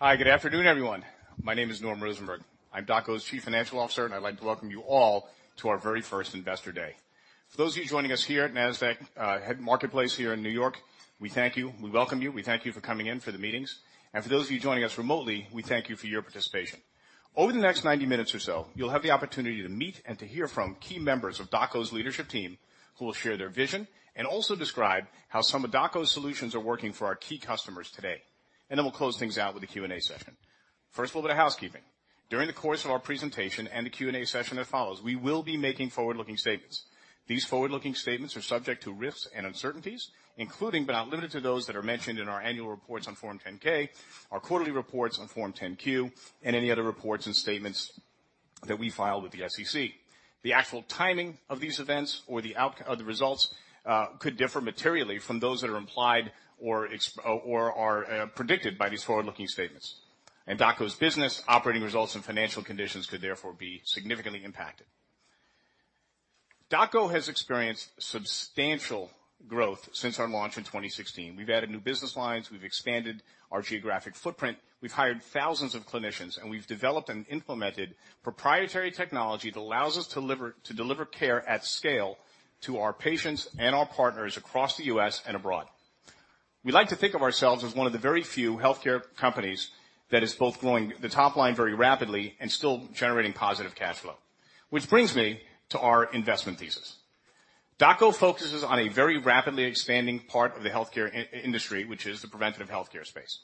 Hi, good afternoon, everyone. My name is Norm Rosenberg. I'm DocGo's Chief Financial Officer. I'd like to welcome you all to our very first Investor Day. For those of you joining us here at Nasdaq MarketSite here in New York, we thank you. We welcome you. We thank you for coming in for the meetings. For those of you joining us remotely, we thank you for your participation. Over the next 90 minutes or so, you'll have the opportunity to meet and to hear from key members of DocGo's leadership team, who will share their vision and also describe how some of DocGo's solutions are working for our key customers today. We'll close things out with a Q&A session. First, a little bit of housekeeping. During the course of our presentation and the Q&A session that follows, we will be making forward-looking statements. These forward-looking statements are subject to risks and uncertainties, including, but not limited to, those that are mentioned in our annual reports on Form 10-K, our quarterly reports on Form 10-Q, and any other reports and statements that we file with the SEC. The actual timing of these events or the results could differ materially from those that are implied or are predicted by these forward-looking statements. DocGo's business, operating results, and financial conditions could therefore be significantly impacted. DocGo has experienced substantial growth since our launch in 2016. We've added new business lines, we've expanded our geographic footprint, we've hired thousands of clinicians, and we've developed and implemented proprietary technology that allows us to deliver care at scale to our patients and our partners across the U.S. and abroad. We like to think of ourselves as one of the very few healthcare companies that is both growing the top line very rapidly and still generating positive cash flow. Which brings me to our investment thesis. DocGo focuses on a very rapidly expanding part of the healthcare industry, which is the preventative healthcare space.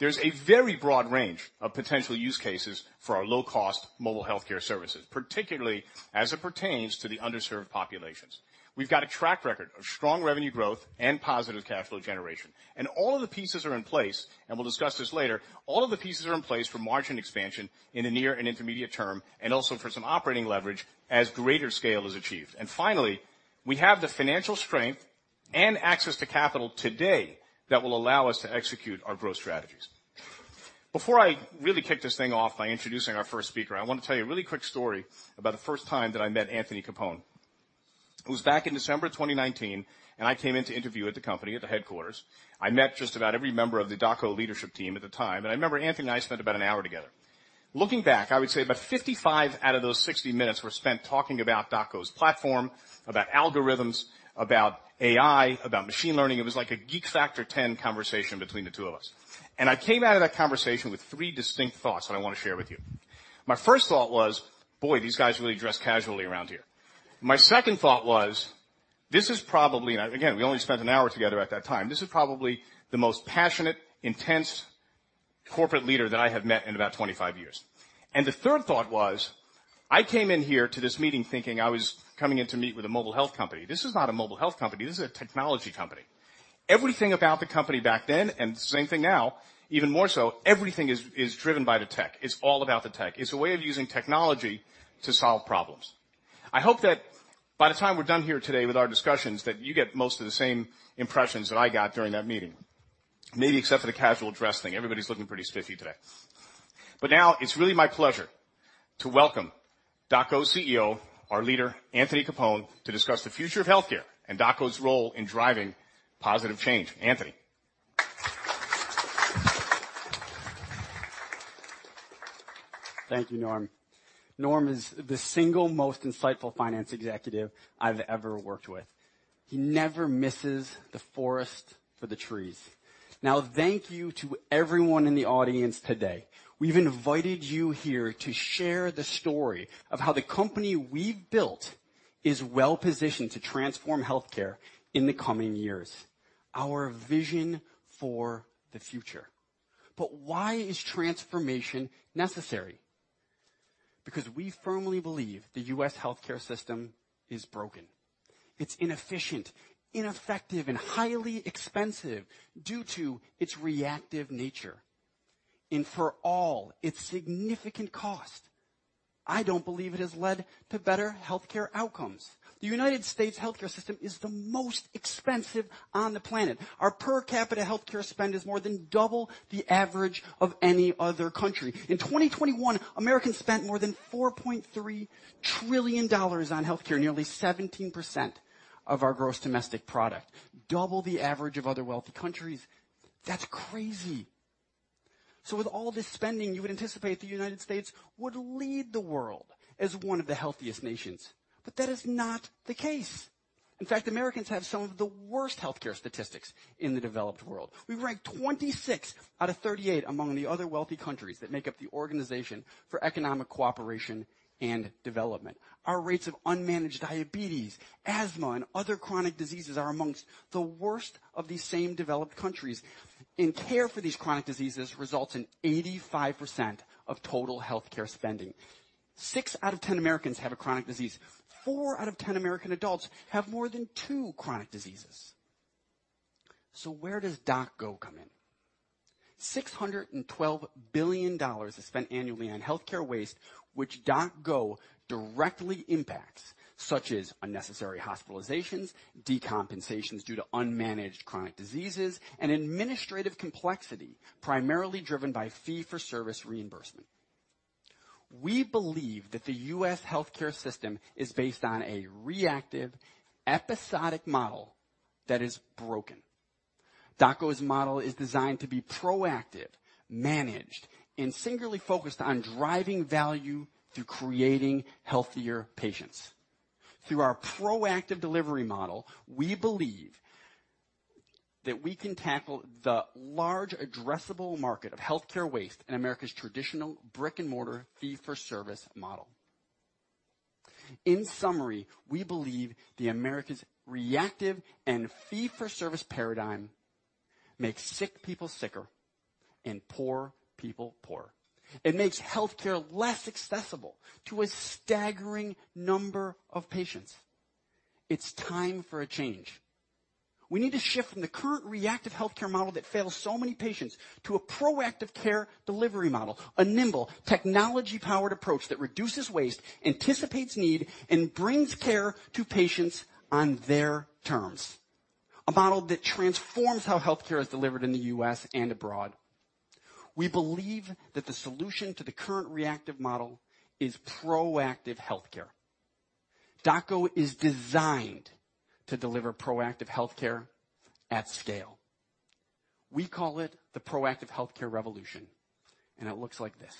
There's a very broad range of potential use cases for our low-cost mobile healthcare services, particularly as it pertains to the underserved populations. We've got a track record of strong revenue growth and positive cash flow generation. All of the pieces are in place, and we'll discuss this later. All of the pieces are in place for margin expansion in the near and intermediate term, and also for some operating leverage as greater scale is achieved. Finally, we have the financial strength and access to capital today that will allow us to execute our growth strategies. Before I really kick this thing off by introducing our first speaker, I want to tell you a really quick story about the first time that I met Anthony Capone. It was back in December of 2019, and I came in to interview at the company, at the headquarters. I met just about every member of the DocGo leadership team at the time, and I remember Anthony and I spent about an hour together. Looking back, I would say about 55 out of those 60 minutes were spent talking about DocGo's platform, about algorithms, about AI, about machine learning. It was like a geek factor 10 conversation between the two of us. I came out of that conversation with three distinct thoughts that I want to share with you. My first thought was: Boy, these guys really dress casually around here. My second thought was, Again, we only spent an hour together at that time. This is probably the most passionate, intense corporate leader that I have met in about 25 years. The third thought was: I came in here to this meeting thinking I was coming in to meet with a mobile health company. This is not a mobile health company. This is a technology company. Everything about the company back then, and the same thing now, even more so, everything is driven by the tech. It's all about the tech. It's a way of using technology to solve problems. I hope that by the time we're done here today with our discussions, that you get most of the same impressions that I got during that meeting, maybe except for the casual dress thing. Everybody's looking pretty spiffy today. Now it's really my pleasure to welcome DocGo's CEO, our leader, Anthony Capone, to discuss the future of healthcare and DocGo's role in driving positive change. Anthony. Thank you, Norm. Norm is the single most insightful finance executive I've ever worked with. He never misses the forest for the trees. Thank you to everyone in the audience today. We've invited you here to share the story of how the company we've built is well-positioned to transform healthcare in the coming years, our vision for the future. Why is transformation necessary? We firmly believe the U.S. healthcare system is broken. It's inefficient, ineffective, and highly expensive due to its reactive nature, for all its significant cost, I don't believe it has led to better healthcare outcomes. The United States healthcare system is the most expensive on the planet. Our per capita healthcare spend is more than double the average of any other country. In 2021, Americans spent more than $4.3 trillion on healthcare, nearly 17% of our gross domestic product, double the average of other wealthy countries. That's crazy. With all this spending, you would anticipate the United States would lead the world as one of the healthiest nations, but that is not the case. In fact, Americans have some of the worst healthcare statistics in the developed world. We rank 26 out of 38 among the other wealthy countries that make up the Organisation for Economic Co-operation and Development. Our rates of unmanaged diabetes, asthma, and other chronic diseases are amongst the worst of these same developed countries, and care for these chronic diseases results in 85% of total healthcare spending. Six out of 10 Americans have a chronic disease. Four out of 10 American adults have more than two chronic diseases. Where does DocGo come in? $612 billion is spent annually on healthcare waste, which DocGo directly impacts, such as unnecessary hospitalizations, decompensations due to unmanaged chronic diseases, and administrative complexity, primarily driven by fee-for-service reimbursement. We believe that the U.S. healthcare system is based on a reactive, episodic model that is broken. DocGo's model is designed to be proactive, managed, and singularly focused on driving value through creating healthier patients. Through our proactive delivery model, we believe that we can tackle the large addressable market of healthcare waste in America's traditional brick-and-mortar, fee-for-service model. In summary, we believe that America's reactive and fee-for-service paradigm makes sick people sicker and poor people poorer. It makes healthcare less accessible to a staggering number of patients. It's time for a change. We need to shift from the current reactive healthcare model that fails so many patients to a proactive care delivery model, a nimble, technology-powered approach that reduces waste, anticipates need, and brings care to patients on their terms. A model that transforms how healthcare is delivered in the U.S. and abroad. We believe that the solution to the current reactive model is proactive healthcare. DocGo is designed to deliver proactive healthcare at scale. We call it the proactive healthcare revolution. It looks like this.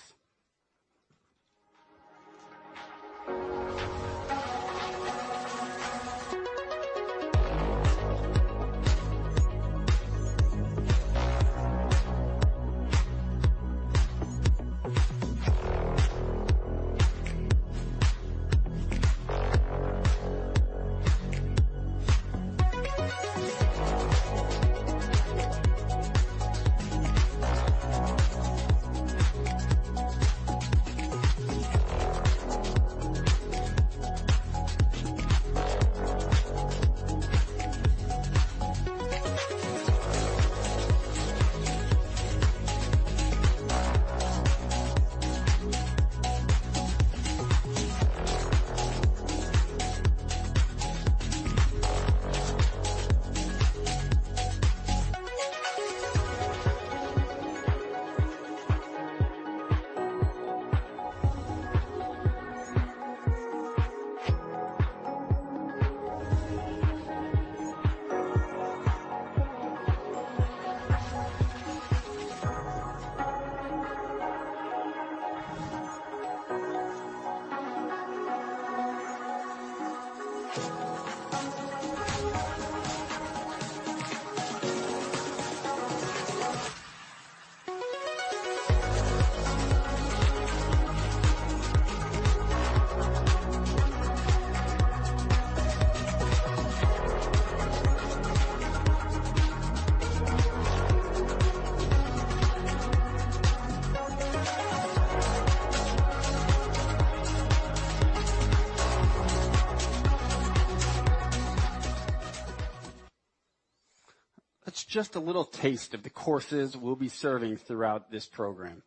That's just a little taste of the courses we'll be serving throughout this program.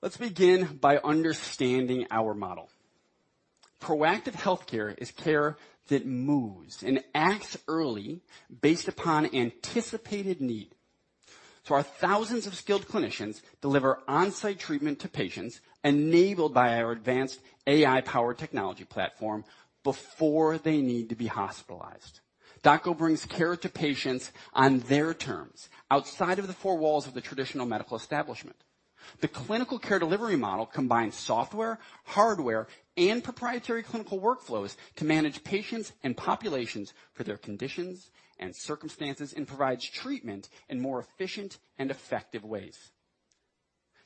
Let's begin by understanding our model. Proactive healthcare is care that moves and acts early based upon anticipated need. Our thousands of skilled clinicians deliver on-site treatment to patients, enabled by our advanced AI-powered technology platform, before they need to be hospitalized. DocGo brings care to patients on their terms, outside of the four walls of the traditional medical establishment. The clinical care delivery model combines software, hardware, and proprietary clinical workflows to manage patients and populations for their conditions and circumstances, and provides treatment in more efficient and effective ways.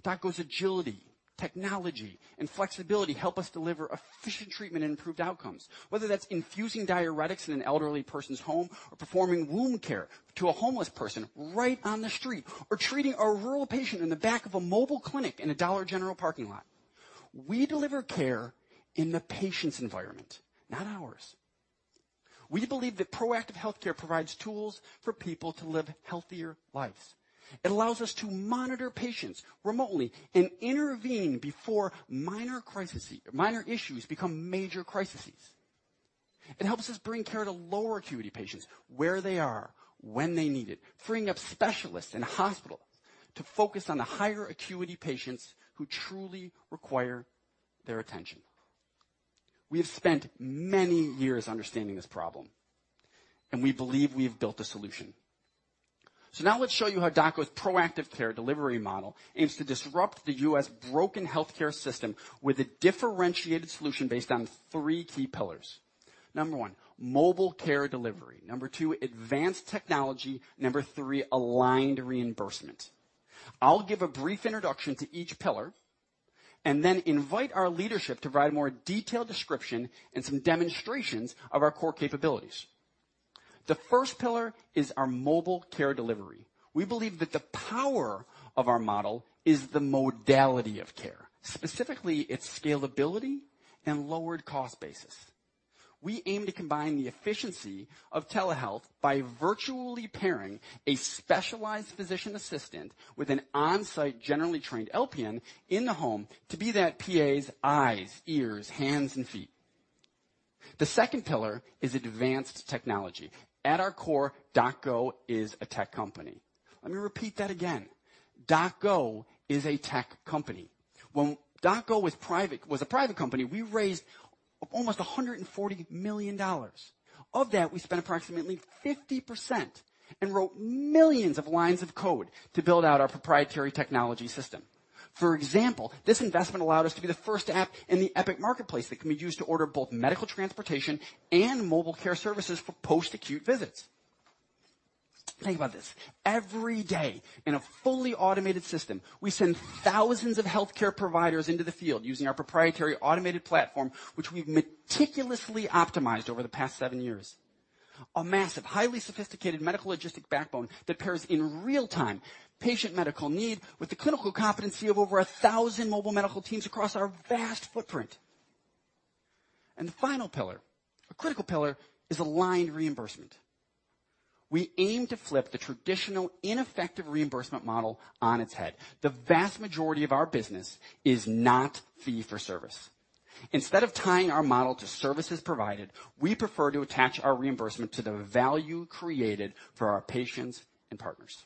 DocGo's agility, technology, and flexibility help us deliver efficient treatment and improved outcomes. Whether that's infusing diuretics in an elderly person's home, or performing wound care to a homeless person right on the street, or treating a rural patient in the back of a mobile clinic in a Dollar General parking lot. We deliver care in the patient's environment, not ours. We believe that proactive healthcare provides tools for people to live healthier lives. It allows us to monitor patients remotely and intervene before minor issues become major crises. It helps us bring care to lower acuity patients where they are, when they need it, freeing up specialists and hospitals to focus on the higher acuity patients who truly require their attention. We have spent many years understanding this problem, and we believe we've built a solution. Now let's show you how DocGo's proactive care delivery model aims to disrupt the U.S. broken healthcare system with a differentiated solution based on three key pillars. Number one, mobile care delivery. Number two, advanced technology. Number three, aligned reimbursement. I'll give a brief introduction to each pillar and then invite our leadership to provide a more detailed description and some demonstrations of our core capabilities. The first pillar is our mobile care delivery. We believe that the power of our model is the modality of care, specifically its scalability and lowered cost basis. We aim to combine the efficiency of telehealth by virtually pairing a specialized physician assistant with an on-site, generally trained LPN in the home to be that PA's eyes, ears, hands, and feet. The second pillar is advanced technology. At our core, DocGo is a tech company. Let me repeat that again. DocGo is a tech company. When DocGo was a private company, we raised almost $140 million. Of that, we spent approximately 50% and wrote millions of lines of code to build out our proprietary technology system. For example, this investment allowed us to be the first app in the Epic marketplace that can be used to order both medical transportation and mobile care services for post-acute visits. Think about this, every day, in a fully automated system, we send thousands of healthcare providers into the field using our proprietary automated platform, which we've meticulously optimized over the past seven years. A massive, highly sophisticated medical logistic backbone that pairs, in real time, patient medical need with the clinical competency of over 1,000 mobile medical teams across our vast footprint. The final pillar, a critical pillar, is aligned reimbursement. We aim to flip the traditional ineffective reimbursement model on its head. The vast majority of our business is not fee for service. Instead of tying our model to services provided, we prefer to attach our reimbursement to the value created for our patients and partners.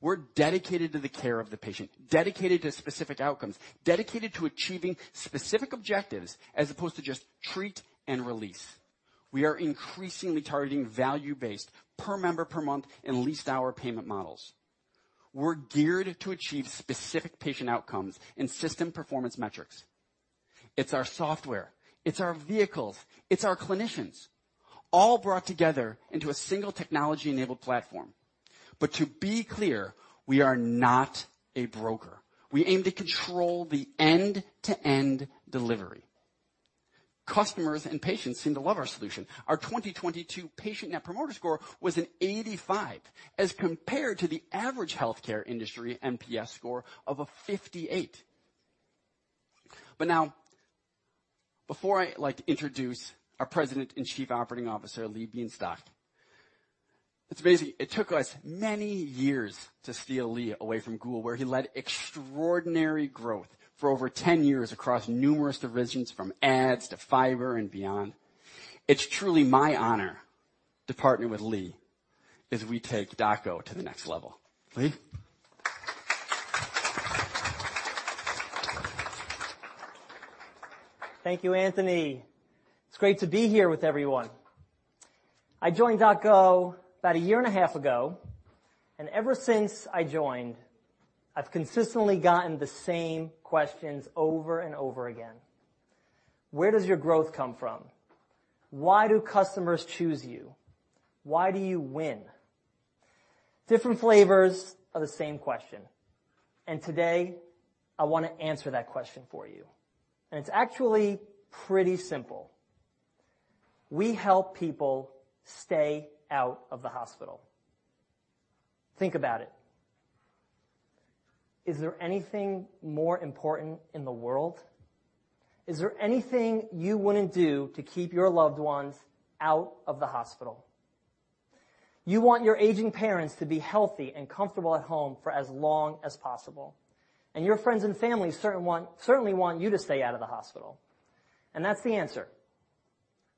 We're dedicated to the care of the patient, dedicated to specific outcomes, dedicated to achieving specific objectives as opposed to just treat and release. We are increasingly targeting value-based per member per month and leased hour payment models. We're geared to achieve specific patient outcomes and system performance metrics. It's our software, it's our vehicles, it's our clinicians, all brought together into a single technology-enabled platform. To be clear, we are not a broker. We aim to control the end-to-end delivery. Customers and patients seem to love our solution. Our 2022 patient net promoter score was an 85, as compared to the average healthcare industry NPS score of a 58. Now, before I like to introduce our President and Chief Operating Officer, Lee Bienstock, it's amazing. It took us many years to steal Lee away from Google, where he led extraordinary growth for over 10 years across numerous divisions, from ads to fiber and beyond. It's truly my honor to partner with Lee as we take DocGo to the next level. Lee? Thank you, Anthony. It's great to be here with everyone. I joined DocGo about a year and a half ago. Ever since I joined, I've consistently gotten the same questions over and over again: Where does your growth come from? Why do customers choose you? Why do you win? Different flavors of the same question. Today I wanna answer that question for you. It's actually pretty simple. We help people stay out of the hospital. Think about it. Is there anything more important in the world? Is there anything you wouldn't do to keep your loved ones out of the hospital? You want your aging parents to be healthy and comfortable at home for as long as possible. Your friends and family certainly want you to stay out of the hospital. That's the answer.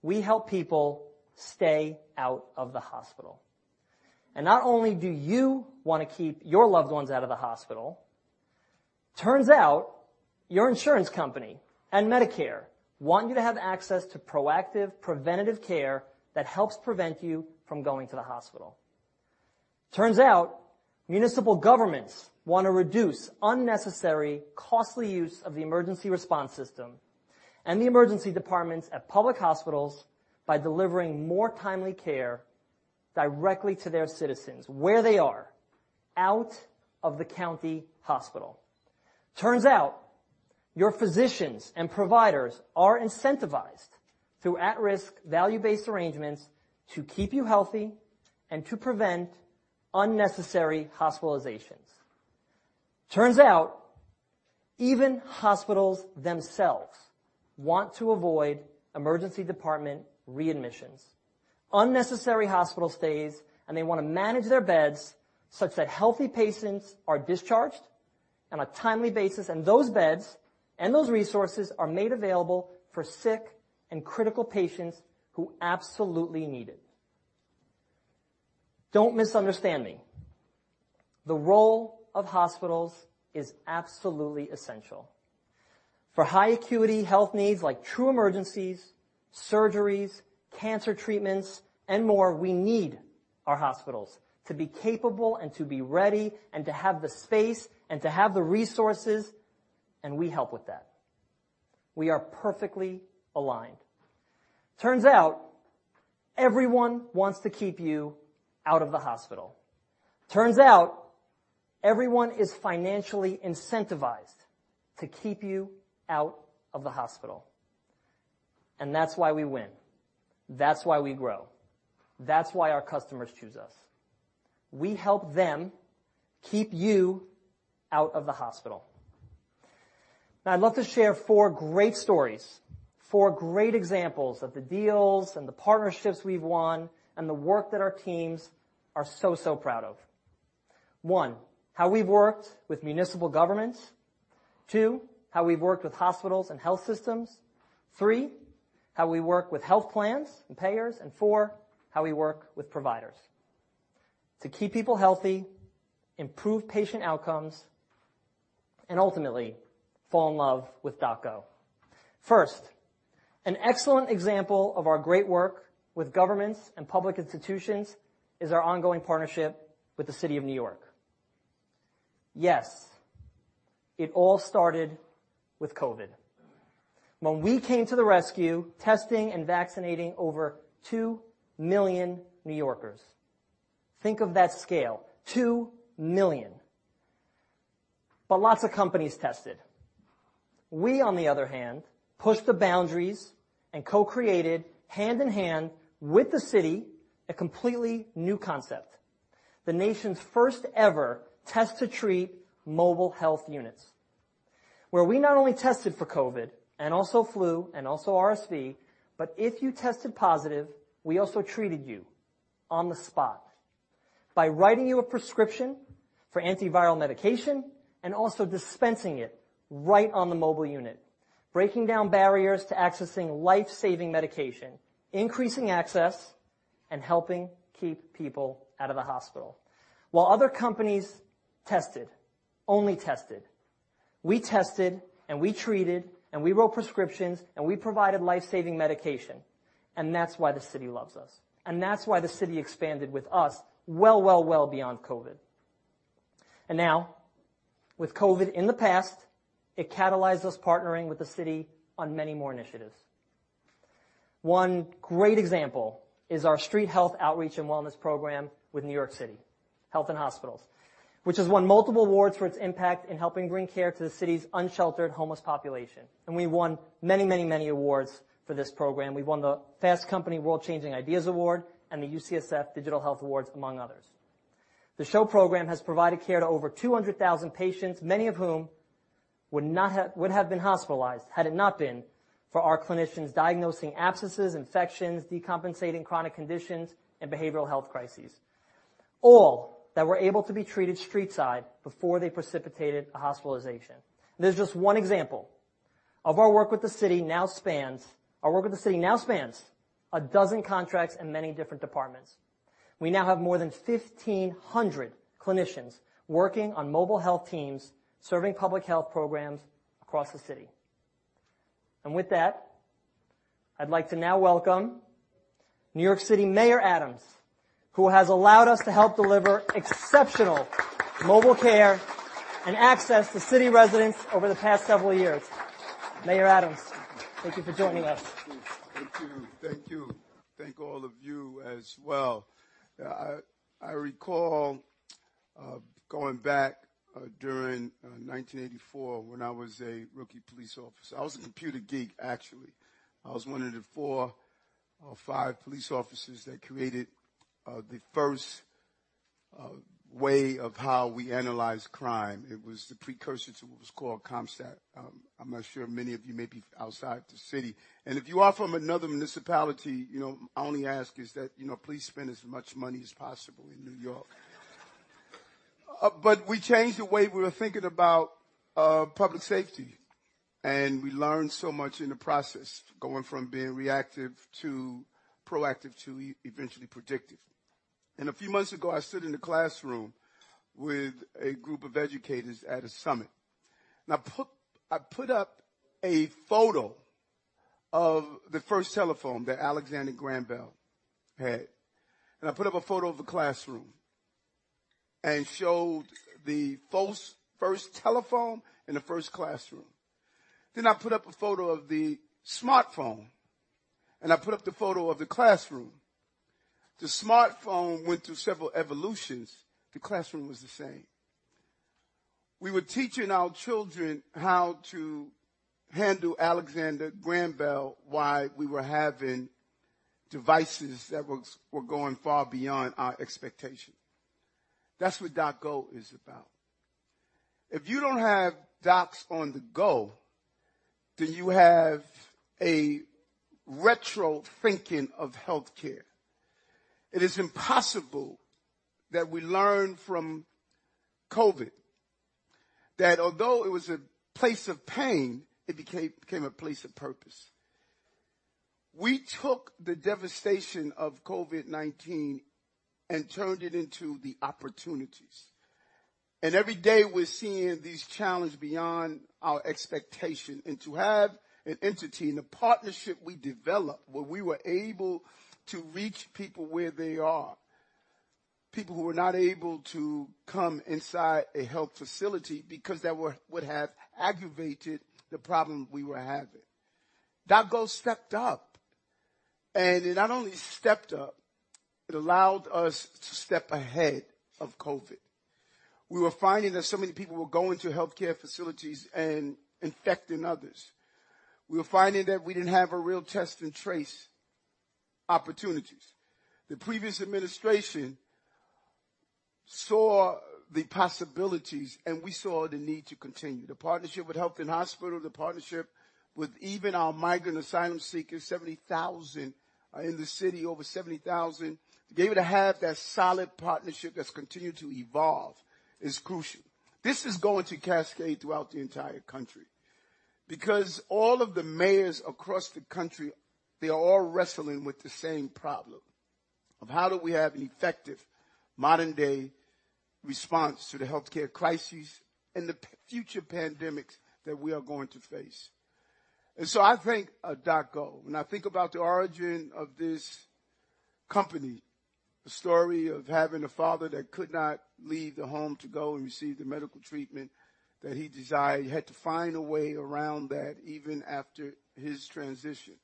We help people stay out of the hospital. Not only do you want to keep your loved ones out of the hospital, turns out your insurance company and Medicare want you to have access to proactive, preventative care that helps prevent you from going to the hospital. Turns out municipal governments want to reduce unnecessary, costly use of the emergency response system and the emergency departments at public hospitals by delivering more timely care directly to their citizens where they are, out of the county hospital. Turns out your physicians and providers are incentivized through at-risk, value-based arrangements to keep you healthy and to prevent unnecessary hospitalizations. Turns out even hospitals themselves want to avoid emergency department readmissions, unnecessary hospital stays, and they wanna manage their beds such that healthy patients are discharged on a timely basis, and those beds and those resources are made available for sick and critical patients who absolutely need it. Don't misunderstand me. The role of hospitals is absolutely essential. For high acuity health needs, like true emergencies, surgeries, cancer treatments, and more, we need our hospitals to be capable and to be ready, and to have the space and to have the resources, and we help with that. We are perfectly aligned. Turns out everyone wants to keep you out of the hospital. Turns out everyone is financially incentivized to keep you out of the hospital, and that's why we win. That's why we grow. That's why our customers choose us. We help them keep you out of the hospital. I'd love to share four great stories, four great examples of the deals and the partnerships we've won, and the work that our teams are so proud of. One, how we've worked with municipal governments. Two, how we've worked with hospitals and health systems. Three, how we work with health plans and payers. Four, how we work with providers to keep people healthy, improve patient outcomes, and ultimately fall in love with DocGo. First, an excellent example of our great work with governments and public institutions is our ongoing partnership with the City of New York. Yes, it all started with COVID. When we came to the rescue, testing and vaccinating over 2 million New Yorkers. Think of that scale, 2 million. Lots of companies tested. We, on the other hand, pushed the boundaries and co-created hand in hand with the city, a completely new concept. The nation's first ever test-to-treat mobile health units, where we not only tested for COVID, and also flu, and also RSV, but if you tested positive, we also treated you on the spot by writing you a prescription for antiviral medication and also dispensing it right on the mobile unit, breaking down barriers to accessing life-saving medication, increasing access, and helping keep people out of the hospital. While other companies tested, only tested, we tested, and we treated, and we wrote prescriptions, and we provided life-saving medication, and that's why the city loves us. That's why the city expanded with us well, well, well beyond COVID. Now, with COVID in the past, it catalyzed us partnering with the city on many more initiatives. One great example is our Street Health Outreach and Wellness program with NYC Health + Hospitals, which has won multiple awards for its impact in helping bring care to the city's unsheltered homeless population. We've won many awards for this program. We've won the Fast Company World Changing Ideas Awards and the UCSF Digital Health Awards, among others. The SHOW program has provided care to over 200,000 patients, many of whom would have been hospitalized had it not been for our clinicians diagnosing abscesses, infections, decompensating chronic conditions, and behavioral health crises, all that were able to be treated street side before they precipitated a hospitalization. There's just one example. Our work with the city now spans 12 contracts in many different departments. We now have more than 1,500 clinicians working on mobile health teams, serving public health programs across the city. With that, I'd like to now welcome New York City Mayor Adams, who has allowed us to help deliver exceptional mobile care and access to city residents over the past several years. Mayor Adams, thank you for joining us. Thank you. Thank you. Thank all of you as well. I recall, going back, during 1984, when I was a rookie police officer. I was a computer geek, actually. I was one of the four or five police officers that created, the first, way of how we analyzed crime. It was the precursor to what was called CompStat. I'm not sure many of you may be outside the city, and if you are from another municipality, you know, I only ask is that, you know, please spend as much money as possible in New York. We changed the way we were thinking about, public safety, and we learned so much in the process, going from being reactive to proactive to eventually predictive. A few months ago, I stood in a classroom with a group of educators at a summit, I put up a photo of the first telephone that Alexander Graham Bell had, I put up a photo of a classroom and showed the false first telephone in the first classroom. I put up a photo of the smartphone, I put up the photo of the classroom. The smartphone went through several evolutions. The classroom was the same. We were teaching our children how to handle Alexander Graham Bell, while we were having devices that were going far beyond our expectation. That's what DocGo is about. If you don't have Docs on the Go, then you have a retro thinking of healthcare. It is impossible that we learn from COVID, that although it was a place of pain, it became a place of purpose. We took the devastation of COVID-19 and turned it into the opportunities. Every day, we're seeing these challenges beyond our expectation. To have an entity and a partnership we developed, where we were able to reach people where they are, people who were not able to come inside a health facility because that would have aggravated the problem we were having. DocGo stepped up. It not only stepped up, it allowed us to step ahead of COVID. We were finding that so many people were going to healthcare facilities and infecting others. We were finding that we didn't have a real test and trace opportunities. The previous administration saw the possibilities. We saw the need to continue. The partnership with NYC Health + Hospitals, the partnership with even our migrant asylum seekers, 70,000 in the city, over 70,000, to be able to have that solid partnership that's continued to evolve is crucial. This is going to cascade throughout the entire country, because all of the mayors across the country, they are all wrestling with the same problem of: how do we have an effective modern-day response to the healthcare crises and the future pandemics that we are going to face? I thank DocGo. When I think about the origin of this company, the story of having a father that could not leave the home to go and receive the medical treatment that he desired, he had to find a way around that even after his transition.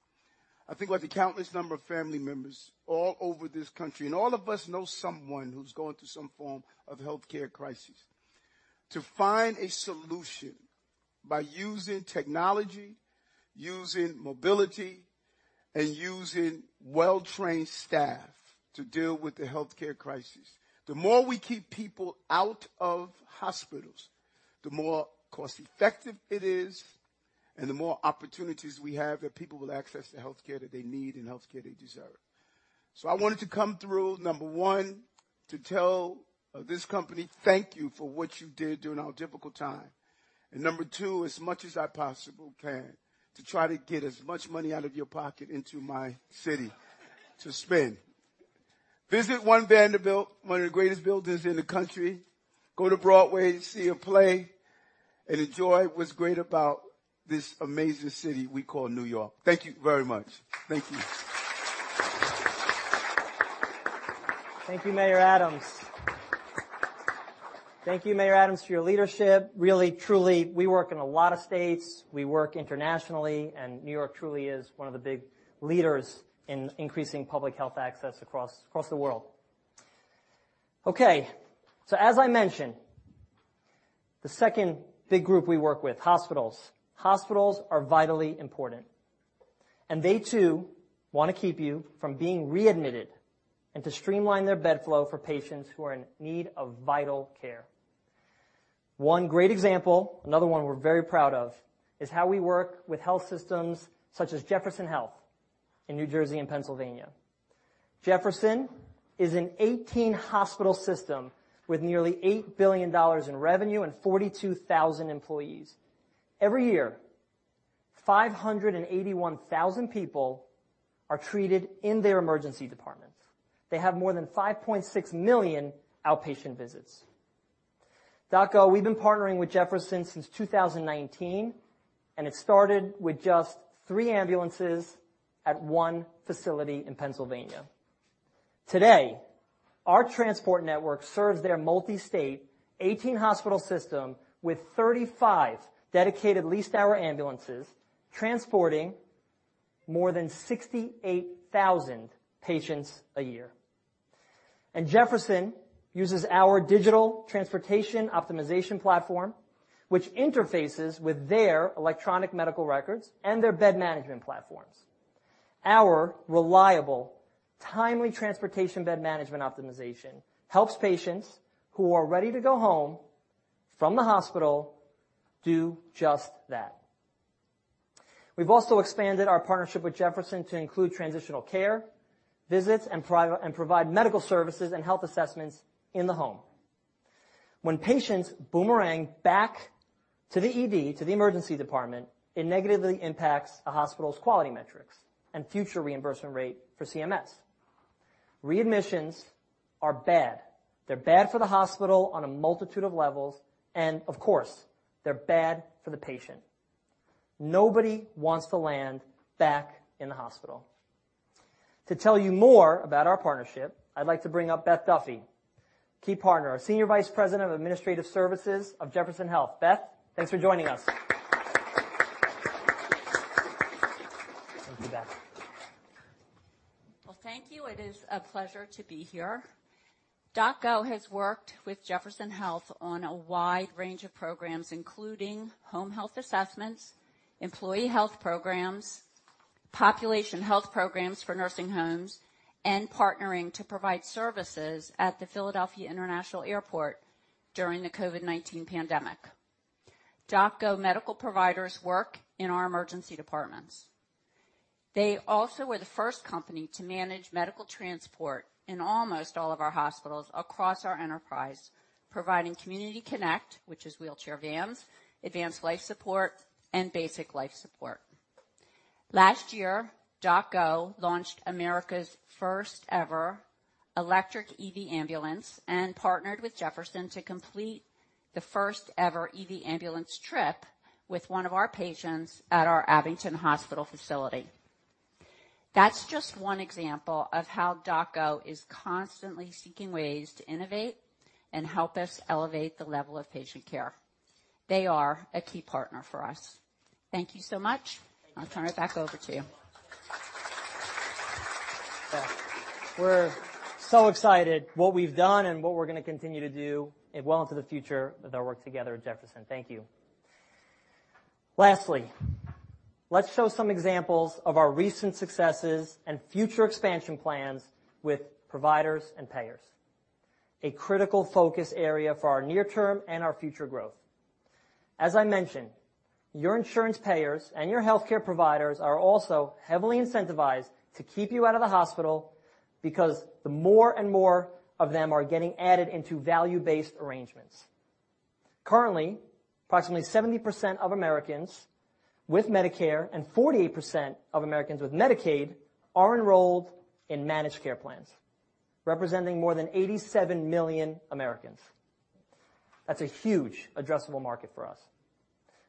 I think about the countless number of family members all over this country, and all of us know someone who's going through some form of healthcare crisis. To find a solution by using technology, using mobility, and using well-trained staff to deal with the healthcare crisis. The more we keep people out of hospitals, the more cost-effective it is and the more opportunities we have that people with access to healthcare that they need and healthcare they deserve. I wanted to come through, number one, to tell this company, thank you for what you did during our difficult time. Number two, as much as I possibly can, to try to get as much money out of your pocket into my city to spend. Visit One Vanderbilt, one of the greatest buildings in the country. Go to Broadway to see a play and enjoy what's great about this amazing city we call New York. Thank you very much. Thank you. Thank you, Mayor Adams. Thank you, Mayor Adams, for your leadership. Really, truly, we work in a lot of states, we work internationally, New York truly is one of the big leaders in increasing public health access across the world. Okay, as I mentioned, the second big group we work with, hospitals. Hospitals are vitally important, they, too, wanna keep you from being readmitted and to streamline their bed flow for patients who are in need of vital care. One great example, another one we're very proud of, is how we work with health systems such as Jefferson Health in New Jersey and Pennsylvania. Jefferson is an 18-hospital system with nearly $8 billion in revenue and 42,000 employees. Every year, 581,000 people are treated in their emergency departments. They have more than 5.6 million outpatient visits. DocGo, we've been partnering with Jefferson since 2019, and it started with just three ambulances at one facility in Pennsylvania. Today, our transport network serves their multi-state, 18-hospital system with 35 dedicated leased-hour ambulances, transporting more than 68,000 patients a year. Jefferson uses our digital transportation optimization platform, which interfaces with their electronic medical records and their bed management platforms. Our reliable, timely transportation bed management optimization helps patients who are ready to go home from the hospital do just that. We've also expanded our partnership with Jefferson to include transitional care, visits, and provide medical services and health assessments in the home. When patients boomerang back to the ED, to the emergency department, it negatively impacts a hospital's quality metrics and future reimbursement rate for CMS. Readmissions are bad. They're bad for the hospital on a multitude of levels, and of course, they're bad for the patient. Nobody wants to land back in the hospital. To tell you more about our partnership, I'd like to bring up Beth Duffy, key partner, our Senior Vice President of Administrative Services of Jefferson Health. Beth, thanks for joining us. Thank you, Beth. Well, thank you. It is a pleasure to be here. DocGo has worked with Jefferson Health on a wide range of programs, including home health assessments, employee health programs, population health programs for nursing homes, and partnering to provide services at the Philadelphia International Airport during the COVID-19 pandemic. DocGo medical providers work in our emergency departments. They also were the first company to manage medical transport in almost all of our hospitals across our enterprise, providing community connect, which is wheelchair vans, advanced life support and basic life support. Last year, DocGo launched America's first-ever electric EV ambulance and partnered with Jefferson to complete the first-ever EV ambulance trip with one of our patients at our Abington Hospital facility. That's just one example of how DocGo is constantly seeking ways to innovate and help us elevate the level of patient care. They are a key partner for us. Thank you so much. I'll turn it back over to you. We're so excited what we've done and what we're gonna continue to do and well into the future with our work together at Jefferson. Thank you. Lastly, let's show some examples of our recent successes and future expansion plans with providers and payers, a critical focus area for our near term and our future growth. As I mentioned, your insurance payers and your healthcare providers are also heavily incentivized to keep you out of the hospital because the more and more of them are getting added into value-based arrangements. Currently, approximately 70% of Americans with Medicare and 48% of Americans with Medicaid are enrolled in managed care plans, representing more than 87 million Americans. That's a huge addressable market for us.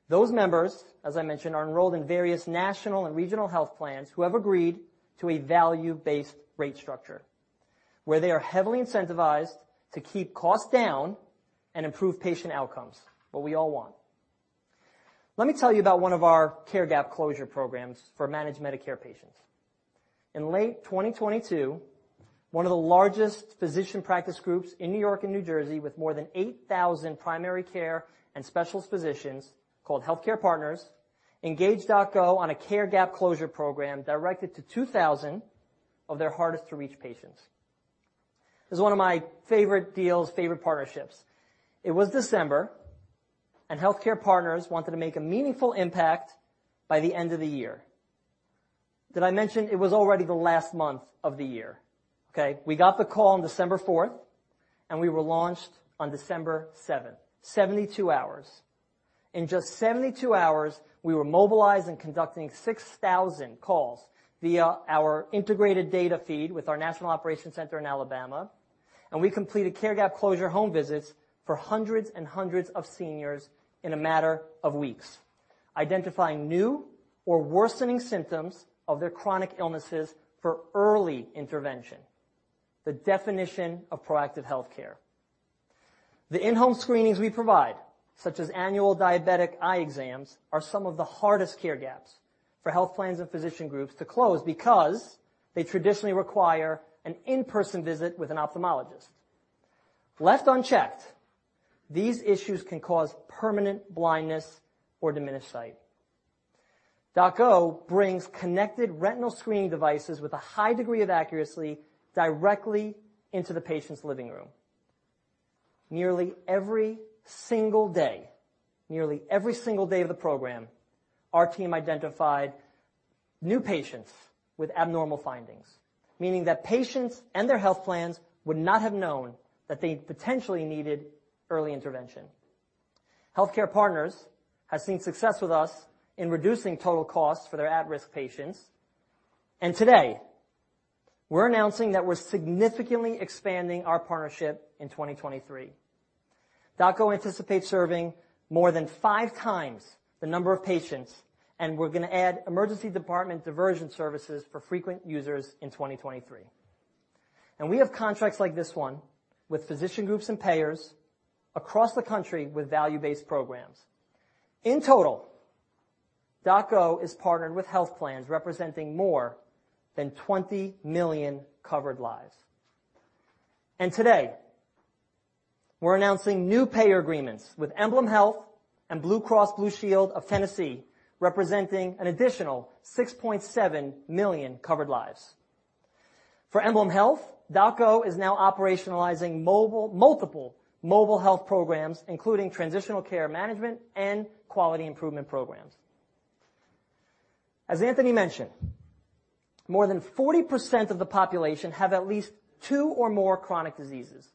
Those members, as I mentioned, are enrolled in various national and regional health plans who have agreed to a value-based rate structure, where they are heavily incentivized to keep costs down and improve patient outcomes. What we all want. Let me tell you about one of our care gap closure programs for Managed Medicare patients. In late 2022, one of the largest physician practice groups in New York and New Jersey, with more than 8,000 primary care and specialist physicians, called HealthCare Partners, engaged DocGo on a care gap closure program directed to 2,000 of their hardest to reach patients. This is one of my favorite deals, favorite partnerships. It was December, HealthCare Partners wanted to make a meaningful impact by the end of the year. Did I mention it was already the last month of the year? Okay, we got the call on December fourth, and we were launched on December seventh. 72 hours. In just 72 hours, we were mobilized and conducting 6,000 calls via our integrated data feed with our national operations center in Alabama, and we completed care gap closure home visits for hundreds and hundreds of seniors in a matter of weeks, identifying new or worsening symptoms of their chronic illnesses for early intervention. The definition of proactive healthcare. The in-home screenings we provide, such as annual diabetic eye exams, are some of the hardest care gaps for health plans and physician groups to close because they traditionally require an in-person visit with an ophthalmologist. Left unchecked, these issues can cause permanent blindness or diminished sight. DocGo brings connected retinal screening devices with a high degree of accuracy directly into the patient's living room. Nearly every single day, nearly every single day of the program, our team identified new patients with abnormal findings, meaning that patients and their health plans would not have known that they potentially needed early intervention. HealthCare Partners has seen success with us in reducing total costs for their at-risk patients. Today, we're announcing that we're significantly expanding our partnership in 2023. DocGo anticipates serving more than 5 times the number of patients. We're gonna add emergency department diversion services for frequent users in 2023. We have contracts like this one with physician groups and payers across the country with value-based programs. In total, DocGo is partnered with health plans representing more than 20 million covered lives. Today, we're announcing new payer agreements with EmblemHealth and BlueCross BlueShield of Tennessee, representing an additional 6.7 million covered lives. For EmblemHealth, DocGo is now operationalizing multiple mobile health programs, including transitional care management and quality improvement programs. As Anthony mentioned, more than 40% of the population have at least two or more chronic diseases,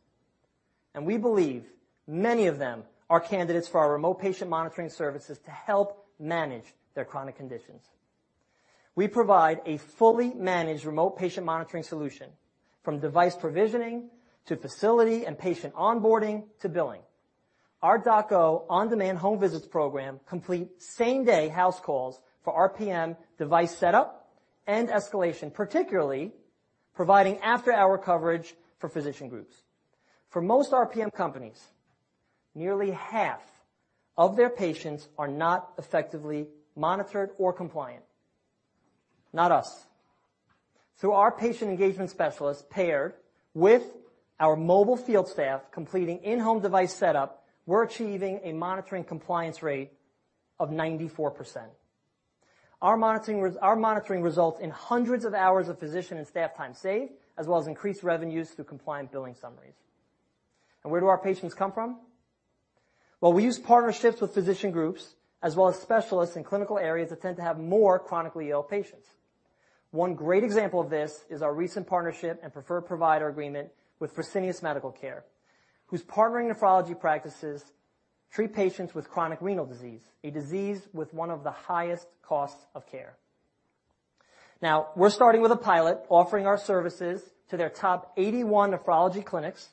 and we believe many of them are candidates for our remote patient monitoring services to help manage their chronic conditions. We provide a fully managed remote patient monitoring solution, from device provisioning to facility and patient onboarding to billing. Our DocGo On-Demand home visits program complete same-day house calls for RPM device setup and escalation, particularly providing after-hour coverage for physician groups. For most RPM companies, nearly half of their patients are not effectively monitored or compliant. Not us. Through our patient engagement specialists, paired with our mobile field staff completing in-home device setup, we're achieving a monitoring compliance rate of 94%. Our monitoring results in hundreds of hours of physician and staff time saved, as well as increased revenues through compliant billing summaries. Where do our patients come from? Well, we use partnerships with physician groups, as well as specialists in clinical areas that tend to have more chronically ill patients. One great example of this is our recent partnership and preferred provider agreement with Fresenius Medical Care, whose partnering nephrology practices treat patients with chronic renal disease, a disease with one of the highest costs of care. Now, we're starting with a pilot, offering our services to their top 81 nephrology clinics,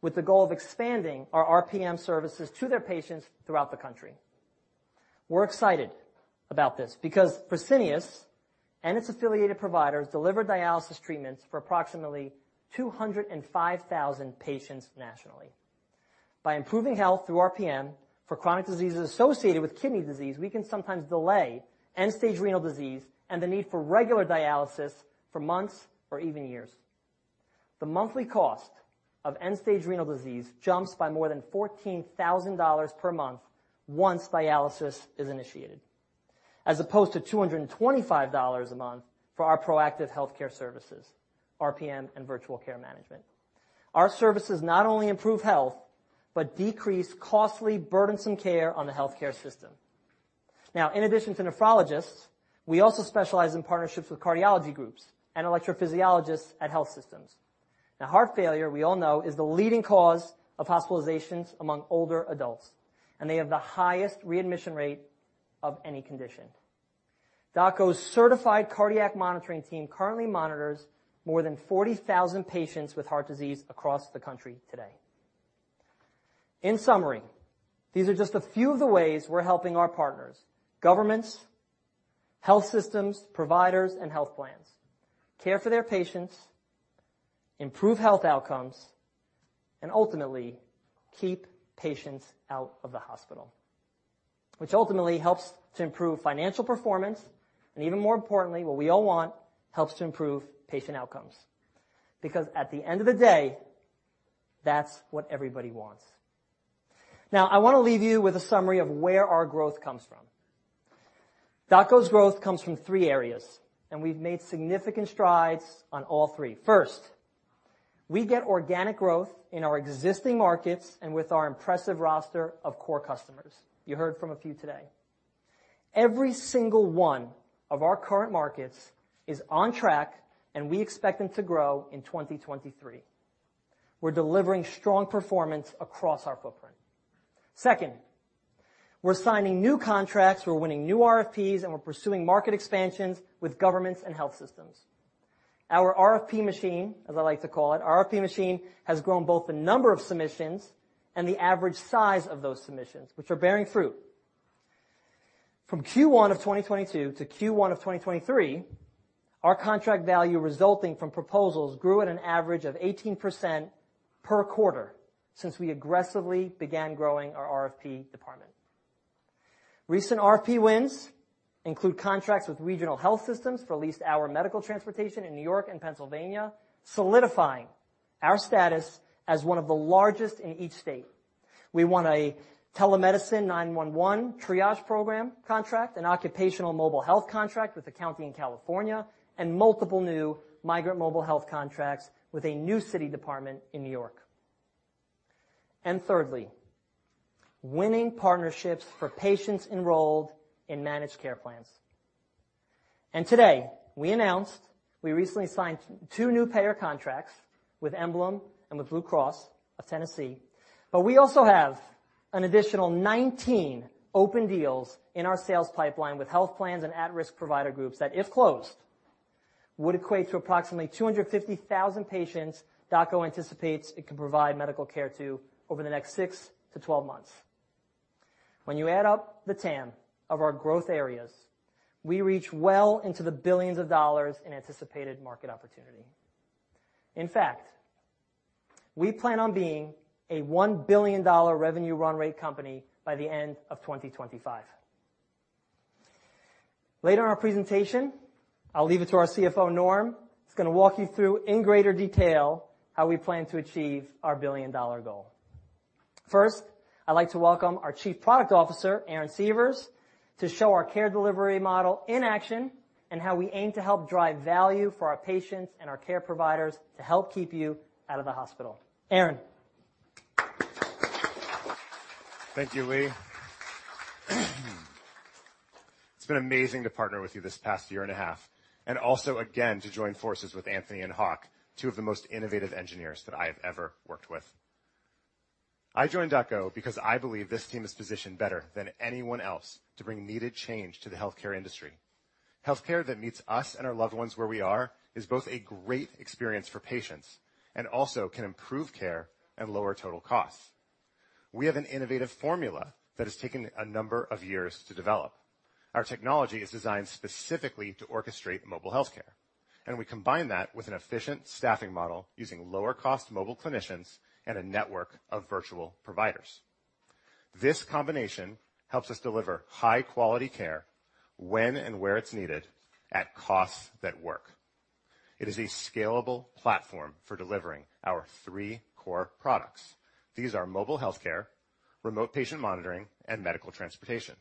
with the goal of expanding our RPM services to their patients throughout the country. We're excited about this because Fresenius and its affiliated providers deliver dialysis treatments for approximately 205,000 patients nationally. By improving health through RPM for chronic diseases associated with kidney disease, we can sometimes delay end-stage renal disease and the need for regular dialysis for months or even years. The monthly cost of end-stage renal disease jumps by more than $14,000 per month once dialysis is initiated. as opposed to $225 a month for our proactive healthcare services, RPM and virtual care management. Our services not only improve health, but decrease costly, burdensome care on the healthcare system. Now, in addition to nephrologists, we also specialize in partnerships with cardiology groups and electrophysiologists at health systems. Now, heart failure, we all know, is the leading cause of hospitalizations among older adults, and they have the highest readmission rate of any condition. DocGo's certified cardiac monitoring team currently monitors more than 40,000 patients with heart disease across the country today. In summary, these are just a few of the ways we're helping our partners, governments, health systems, providers, and health plans, care for their patients, improve health outcomes, and ultimately, keep patients out of the hospital, which ultimately helps to improve financial performance, and even more importantly, what we all want, helps to improve patient outcomes. At the end of the day, that's what everybody wants. I wanna leave you with a summary of where our growth comes from. DocGo's growth comes from three areas, and we've made significant strides on all three. First, we get organic growth in our existing markets and with our impressive roster of core customers. You heard from a few today. Every single one of our current markets is on track, and we expect them to grow in 2023. We're delivering strong performance across our footprint. Second, we're signing new contracts, we're winning new RFPs, we're pursuing market expansions with governments and health systems. Our RFP machine, as I like to call it, RFP machine, has grown both the number of submissions and the average size of those submissions, which are bearing fruit. From Q1 of 2022 to Q1 of 2023, our contract value resulting from proposals grew at an average of 18% per quarter since we aggressively began growing our RFP department. Recent RFP wins include contracts with regional health systems for at least our medical transportation in New York and Pennsylvania, solidifying our status as one of the largest in each state. We won a telemedicine 911 triage program contract, an occupational mobile health contract with a county in California, and multiple new migrant mobile health contracts with a new city department in New York. Thirdly, winning partnerships for patients enrolled in managed care plans. Today, we announced we recently signed two new payer contracts with Emblem and with BlueCross of Tennessee, but we also have an additional 19 open deals in our sales pipeline with health plans and at-risk provider groups that, if closed, would equate to approximately 250,000 patients DocGo anticipates it can provide medical care to over the next six to 12 months. When you add up the TAM of our growth areas, we reach well into the billions of dollars in anticipated market opportunity. In fact, we plan on being a $1 billion revenue run rate company by the end of 2025. Later in our presentation, I'll leave it to our CFO, Norm, who's gonna walk you through in greater detail how we plan to achieve our billion-dollar goal. First, I'd like to welcome our Chief Product Officer, Aaron Severs, to show our care delivery model in action and how we aim to help drive value for our patients and our care providers to help keep you out of the hospital. Aaron? Thank you, Lee. It's been amazing to partner with you this past year and a half, and also, again, to join forces with Anthony and Hawk, two of the most innovative engineers that I have ever worked with. I joined DocGo because I believe this team is positioned better than anyone else to bring needed change to the healthcare industry. Healthcare that meets us and our loved ones where we are, is both a great experience for patients and also can improve care and lower total costs. We have an innovative formula that has taken a number of years to develop. Our technology is designed specifically to orchestrate mobile healthcare, and we combine that with an efficient staffing model using lower-cost mobile clinicians and a network of virtual providers. This combination helps us deliver high-quality care when and where it's needed at costs that work. It is a scalable platform for delivering our three core products. These are mobile healthcare, remote patient monitoring, and medical transportation.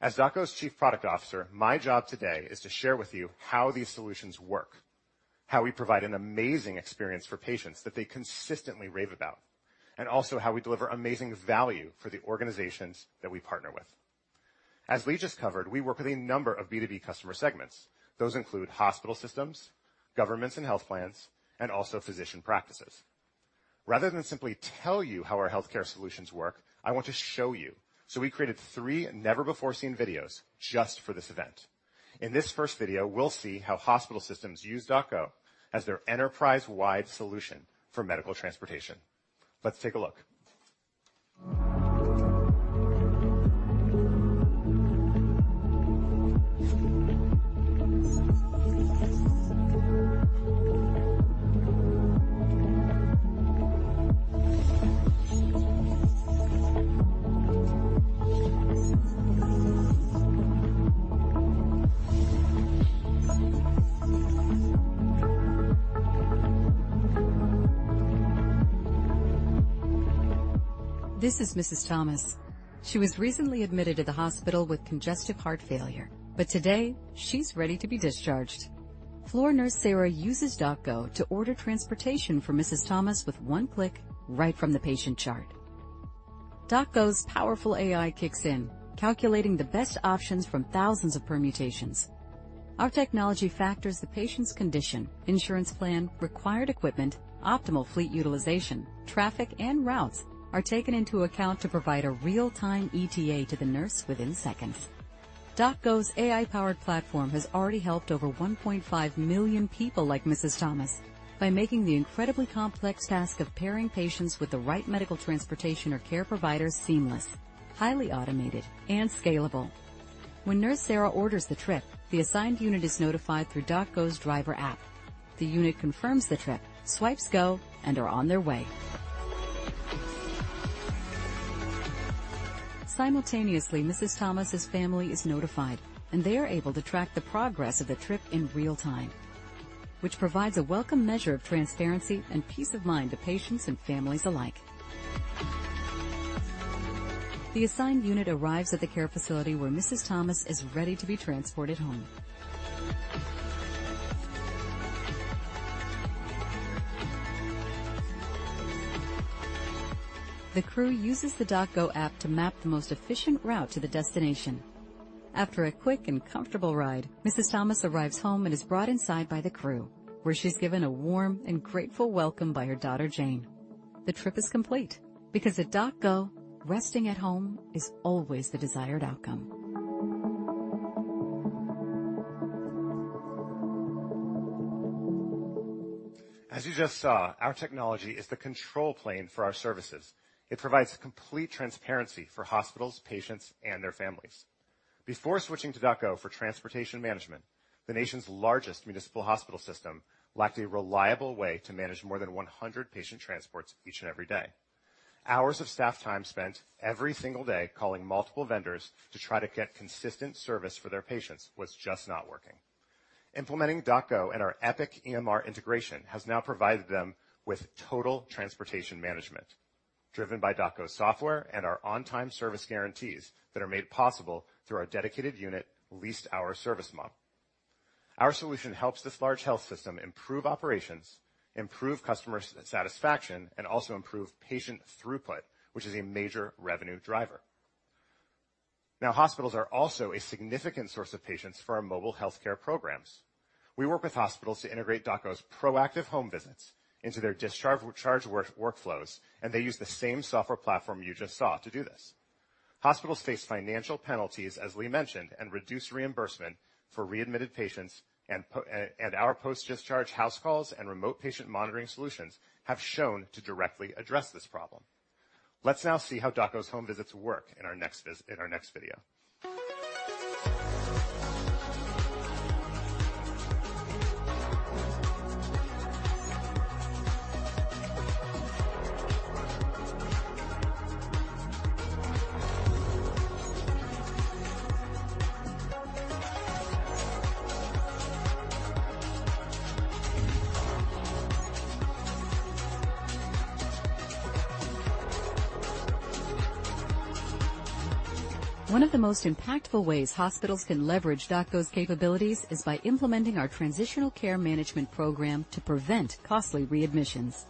As DocGo's Chief Product Officer, my job today is to share with you how these solutions work, how we provide an amazing experience for patients that they consistently rave about, and also how we deliver amazing value for the organizations that we partner with. As Lee just covered, we work with a number of B2B customer segments. Those include hospital systems, governments and health plans, and also physician practices. Rather than simply tell you how our healthcare solutions work, I want to show you. We created three never-before-seen videos just for this event. In this first video, we'll see how hospital systems use DocGo as their enterprise-wide solution for medical transportation. Let's take a look. This is Mrs. Thomas. She was recently admitted to the hospital with congestive heart failure, Today she's ready to be discharged. Floor Nurse Sarah uses DocGo to order transportation for Mrs. Thomas with one click right from the patient chart. DocGo's powerful AI kicks in, calculating the best options from thousands of permutations. Our technology factors the patient's condition, insurance plan, required equipment, optimal fleet utilization, traffic, and routes are taken into account to provide a real-time ETA to the nurse within seconds. DocGo's AI-powered platform has already helped over 1.5 million people like Mrs. Thomas by making the incredibly complex task of pairing patients with the right medical transportation or care providers seamless, highly automated, and scalable. When Nurse Sarah orders the trip, the assigned unit is notified through DocGo's driver app. The unit confirms the trip, swipes go, and are on their way. Simultaneously, Mrs. Thomas' family is notified, and they are able to track the progress of the trip in real time, which provides a welcome measure of transparency and peace of mind to patients and families alike. The assigned unit arrives at the care facility where Mrs. Thomas is ready to be transported home. The crew uses the DocGo app to map the most efficient route to the destination. After a quick and comfortable ride, Mrs. Thomas arrives home and is brought inside by the crew, where she's given a warm and grateful welcome by her daughter, Jane. The trip is complete, because at DocGo, resting at home is always the desired outcome. As you just saw, our technology is the control plane for our services. It provides complete transparency for hospitals, patients, and their families. Before switching to DocGo for transportation management, the nation's largest municipal hospital system lacked a reliable way to manage more than 100 patient transports each and every day. Hours of staff time spent every single day calling multiple vendors to try to get consistent service for their patients was just not working. Implementing DocGo and our Epic EMR integration has now provided them with total transportation management, driven by DocGo's software and our on-time service guarantees that are made possible through our dedicated unit, leased hour service model. Our solution helps this large health system improve operations, improve customer satisfaction, and also improve patient throughput, which is a major revenue driver. Now, hospitals are also a significant source of patients for our mobile healthcare programs. We work with hospitals to integrate DocGo's proactive home visits into their discharge work, workflows, and they use the same software platform you just saw to do this. Hospitals face financial penalties, as we mentioned, and reduced reimbursement for readmitted patients, and our post-discharge house calls and remote patient monitoring solutions have shown to directly address this problem. Let's now see how DocGo's home visits work in our next video. One of the most impactful ways hospitals can leverage DocGo's capabilities is by implementing our transitional care management program to prevent costly readmissions.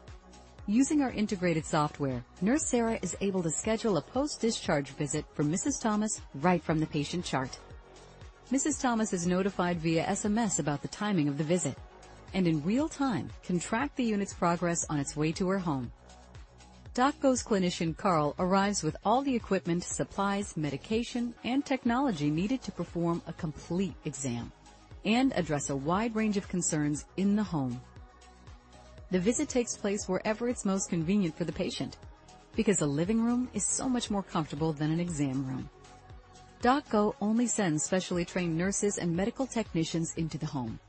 Using our integrated software, Nurse Sarah is able to schedule a post-discharge visit for Mrs. Thomas right from the patient chart. Mrs. Thomas is notified via SMS about the timing of the visit, and in real time, can track the unit's progress on its way to her home. DocGo's clinician, Carl, arrives with all the equipment, supplies, medication, and technology needed to perform a complete exam and address a wide range of concerns in the home. The visit takes place wherever it's most convenient for the patient, because a living room is so much more comfortable than an exam room. DocGo only sends specially trained nurses and medical technicians into the home.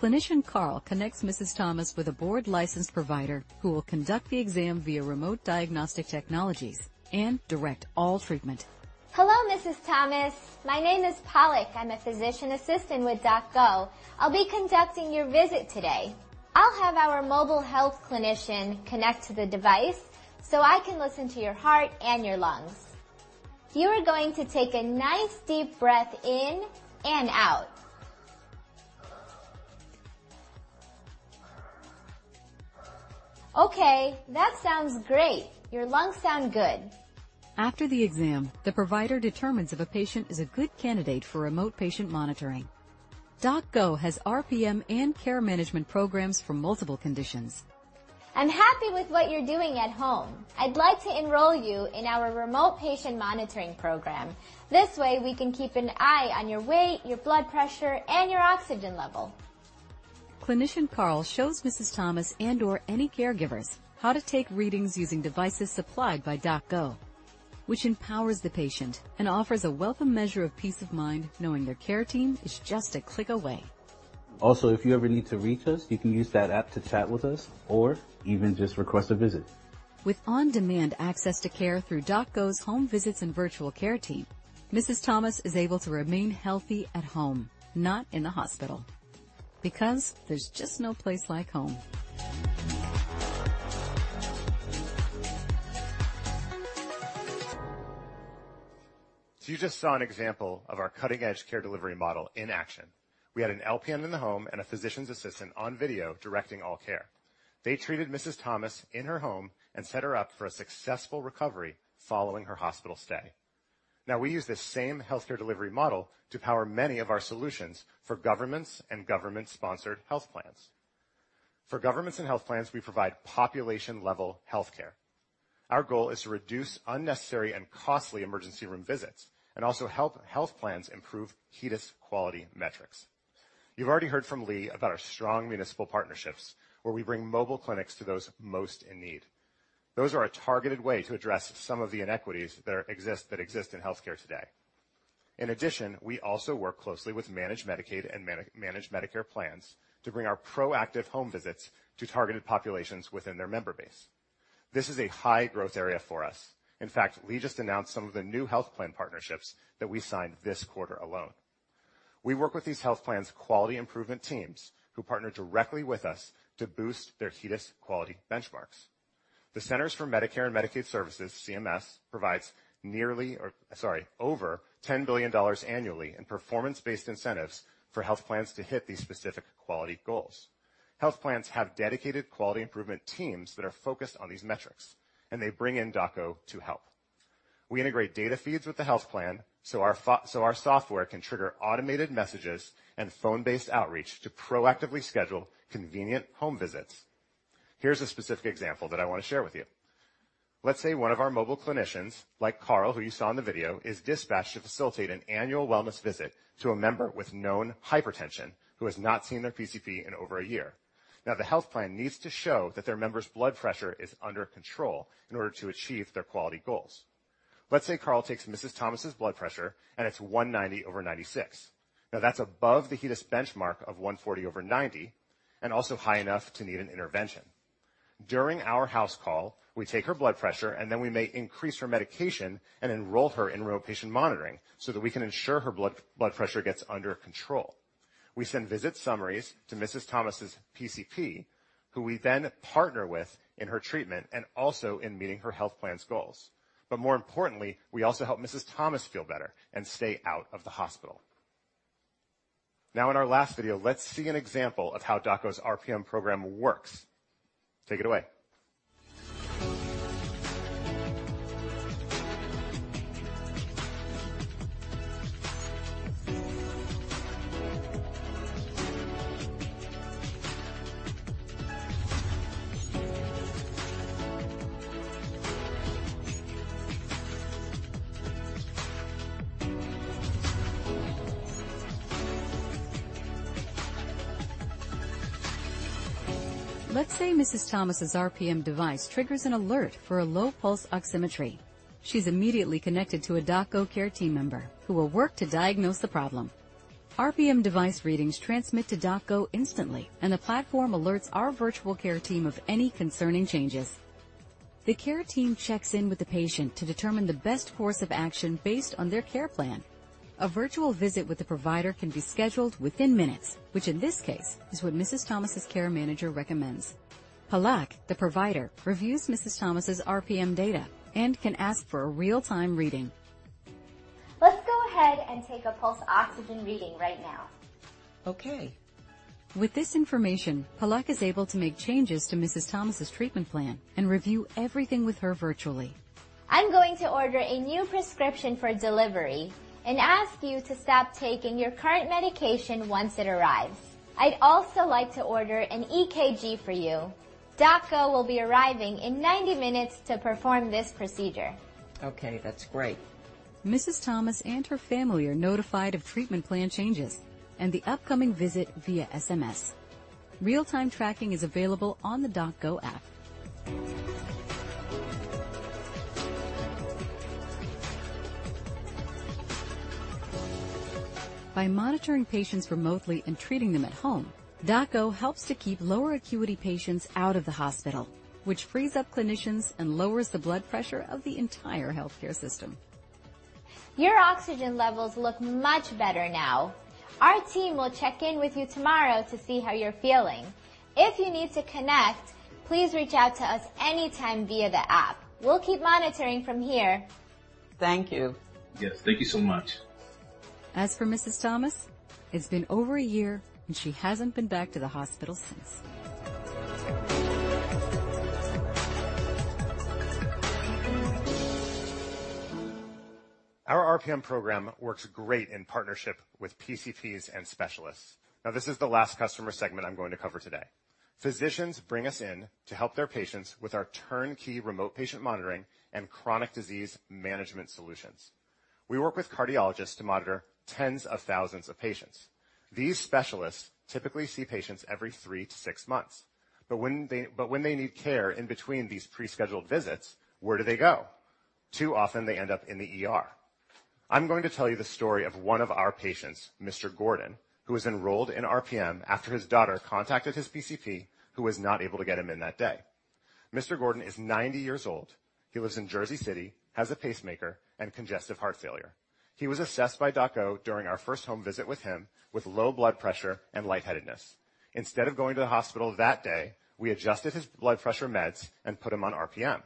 Clinician Carl connects Mrs. Thomas with a board-licensed provider, who will conduct the exam via remote diagnostic technologies and direct all treatment. Hello, Mrs. Thomas. My name is Pollock. I'm a physician assistant with DocGo. I'll be conducting your visit today. I'll have our mobile health clinician connect to the device, so I can listen to your heart and your lungs. You are going to take a nice, deep breath in and out. Okay, that sounds great! Your lungs sound good. After the exam, the provider determines if a patient is a good candidate for remote patient monitoring. DocGo has RPM and care management programs for multiple conditions. I'm happy with what you're doing at home. I'd like to enroll you in our remote patient monitoring program. This way, we can keep an eye on your weight, your blood pressure, and your oxygen level. Clinician Carl shows Mrs. Thomas and/or any caregivers how to take readings using devices supplied by DocGo, which empowers the patient and offers a welcome measure of peace of mind, knowing their care team is just a click away. If you ever need to reach us, you can use that app to chat with us or even just request a visit. With on-demand access to care through DocGo's home visits and virtual care team, Mrs. Thomas is able to remain healthy at home, not in the hospital. Because there's just no place like home. You just saw an example of our cutting-edge care delivery model in action. We had an LPN in the home and a physician's assistant on video directing all care. They treated Mrs. Thomas in her home and set her up for a successful recovery following her hospital stay. We use this same healthcare delivery model to power many of our solutions for governments and government-sponsored health plans. For governments and health plans, we provide population-level healthcare. Our goal is to reduce unnecessary and costly emergency room visits, and also help health plans improve HEDIS quality metrics. You've already heard from Lee about our strong municipal partnerships, where we bring mobile clinics to those most in need. Those are a targeted way to address some of the inequities that exist in healthcare today. In addition, we also work closely with Managed Medicaid and Managed Medicare plans to bring our proactive home visits to targeted populations within their member base. This is a high-growth area for us. In fact, Lee just announced some of the new health plan partnerships that we signed this quarter alone. We work with these health plans' quality improvement teams, who partner directly with us to boost their HEDIS quality benchmarks. The Centers for Medicare & Medicaid Services, CMS, provides nearly, or sorry, over $10 billion annually in performance-based incentives for health plans to hit these specific quality goals. Health plans have dedicated quality improvement teams that are focused on these metrics, and they bring in DocGo to help. We integrate data feeds with the health plan, so our software can trigger automated messages and phone-based outreach to proactively schedule convenient home visits. Here's a specific example that I want to share with you. Let's say one of our mobile clinicians, like Carl, who you saw in the video, is dispatched to facilitate an annual wellness visit to a member with known hypertension who has not seen their PCP in over a year. The health plan needs to show that their member's blood pressure is under control in order to achieve their quality goals. Let's say Carl takes Mrs. Thomas's blood pressure, and it's 190 over 96. That's above the HEDIS benchmark of 140 over 90 and also high enough to need an intervention. During our house call, we take her blood pressure, and then we may increase her medication and enroll her in remote patient monitoring so that we can ensure her blood pressure gets under control. We send visit summaries to Mrs. Thomas's PCP, who we then partner with in her treatment and also in meeting her health plan's goals. More importantly, we also help Mrs. Thomas feel better and stay out of the hospital. In our last video, let's see an example of how DocGo's RPM program works. Take it away. Let's say Mrs. Thomas's RPM device triggers an alert for a low pulse oximetry. She's immediately connected to a DocGo care team member, who will work to diagnose the problem. RPM device readings transmit to DocGo instantly, and the platform alerts our virtual care team of any concerning changes. The care team checks in with the patient to determine the best course of action based on their care plan. A virtual visit with the provider can be scheduled within minutes, which in this case, is what Mrs. Thomas's care manager recommends. Pollock, the provider, reviews Mrs. Thomas's RPM data and can ask for a real-time reading. Let's go ahead and take a pulse oxygen reading right now. Okay. With this information, Pollock is able to make changes to Mrs. Thomas's treatment plan and review everything with her virtually. I'm going to order a new prescription for delivery and ask you to stop taking your current medication once it arrives. I'd also like to order an EKG for you. DocGo will be arriving in 90 minutes to perform this procedure. Okay, that's great. Mrs. Thomas and her family are notified of treatment plan changes and the upcoming visit via SMS. Real-time tracking is available on the DocGo app. By monitoring patients remotely and treating them at home, DocGo helps to keep lower acuity patients out of the hospital, which frees up clinicians and lowers the blood pressure of the entire healthcare system. Your oxygen levels look much better now. Our team will check in with you tomorrow to see how you're feeling. If you need to connect, please reach out to us anytime via the app. We'll keep monitoring from here. Thank you. Yes, thank you so much. As for Mrs. Thomas, it's been over a year, and she hasn't been back to the hospital since. Our RPM program works great in partnership with PCPs and specialists. This is the last customer segment I'm going to cover today. Physicians bring us in to help their patients with our turnkey remote patient monitoring and chronic disease management solutions. We work with cardiologists to monitor tens of thousands of patients. These specialists typically see patients every three to six months, but when they need care in between these pre-scheduled visits, where do they go? Too often, they end up in the ER. I'm going to tell you the story of one of our patients, Mr. Gordon, who was enrolled in RPM after his daughter contacted his PCP, who was not able to get him in that day. Mr. Gordon is 90 years old. He lives in Jersey City, has a pacemaker, and congestive heart failure. He was assessed by DocGo during our first home visit with him, with low blood pressure and lightheadedness. Instead of going to the hospital that day, we adjusted his blood pressure meds and put him on RPM.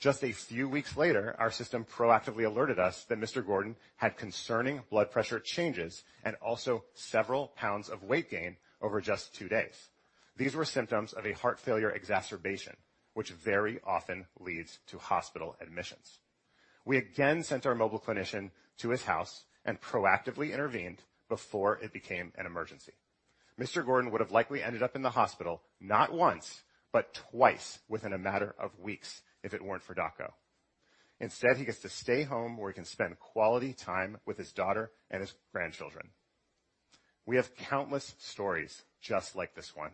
Just a few weeks later, our system proactively alerted us that Mr. Gordon had concerning blood pressure changes and also several pounds of weight gain over just two days. These were symptoms of a heart failure exacerbation, which very often leads to hospital admissions. We again sent our mobile clinician to his house and proactively intervened before it became an emergency. Mr. Gordon would have likely ended up in the hospital not once, but twice, within a matter of weeks, if it weren't for DocGo. Instead, he gets to stay home, where he can spend quality time with his daughter and his grandchildren. We have countless stories just like this one,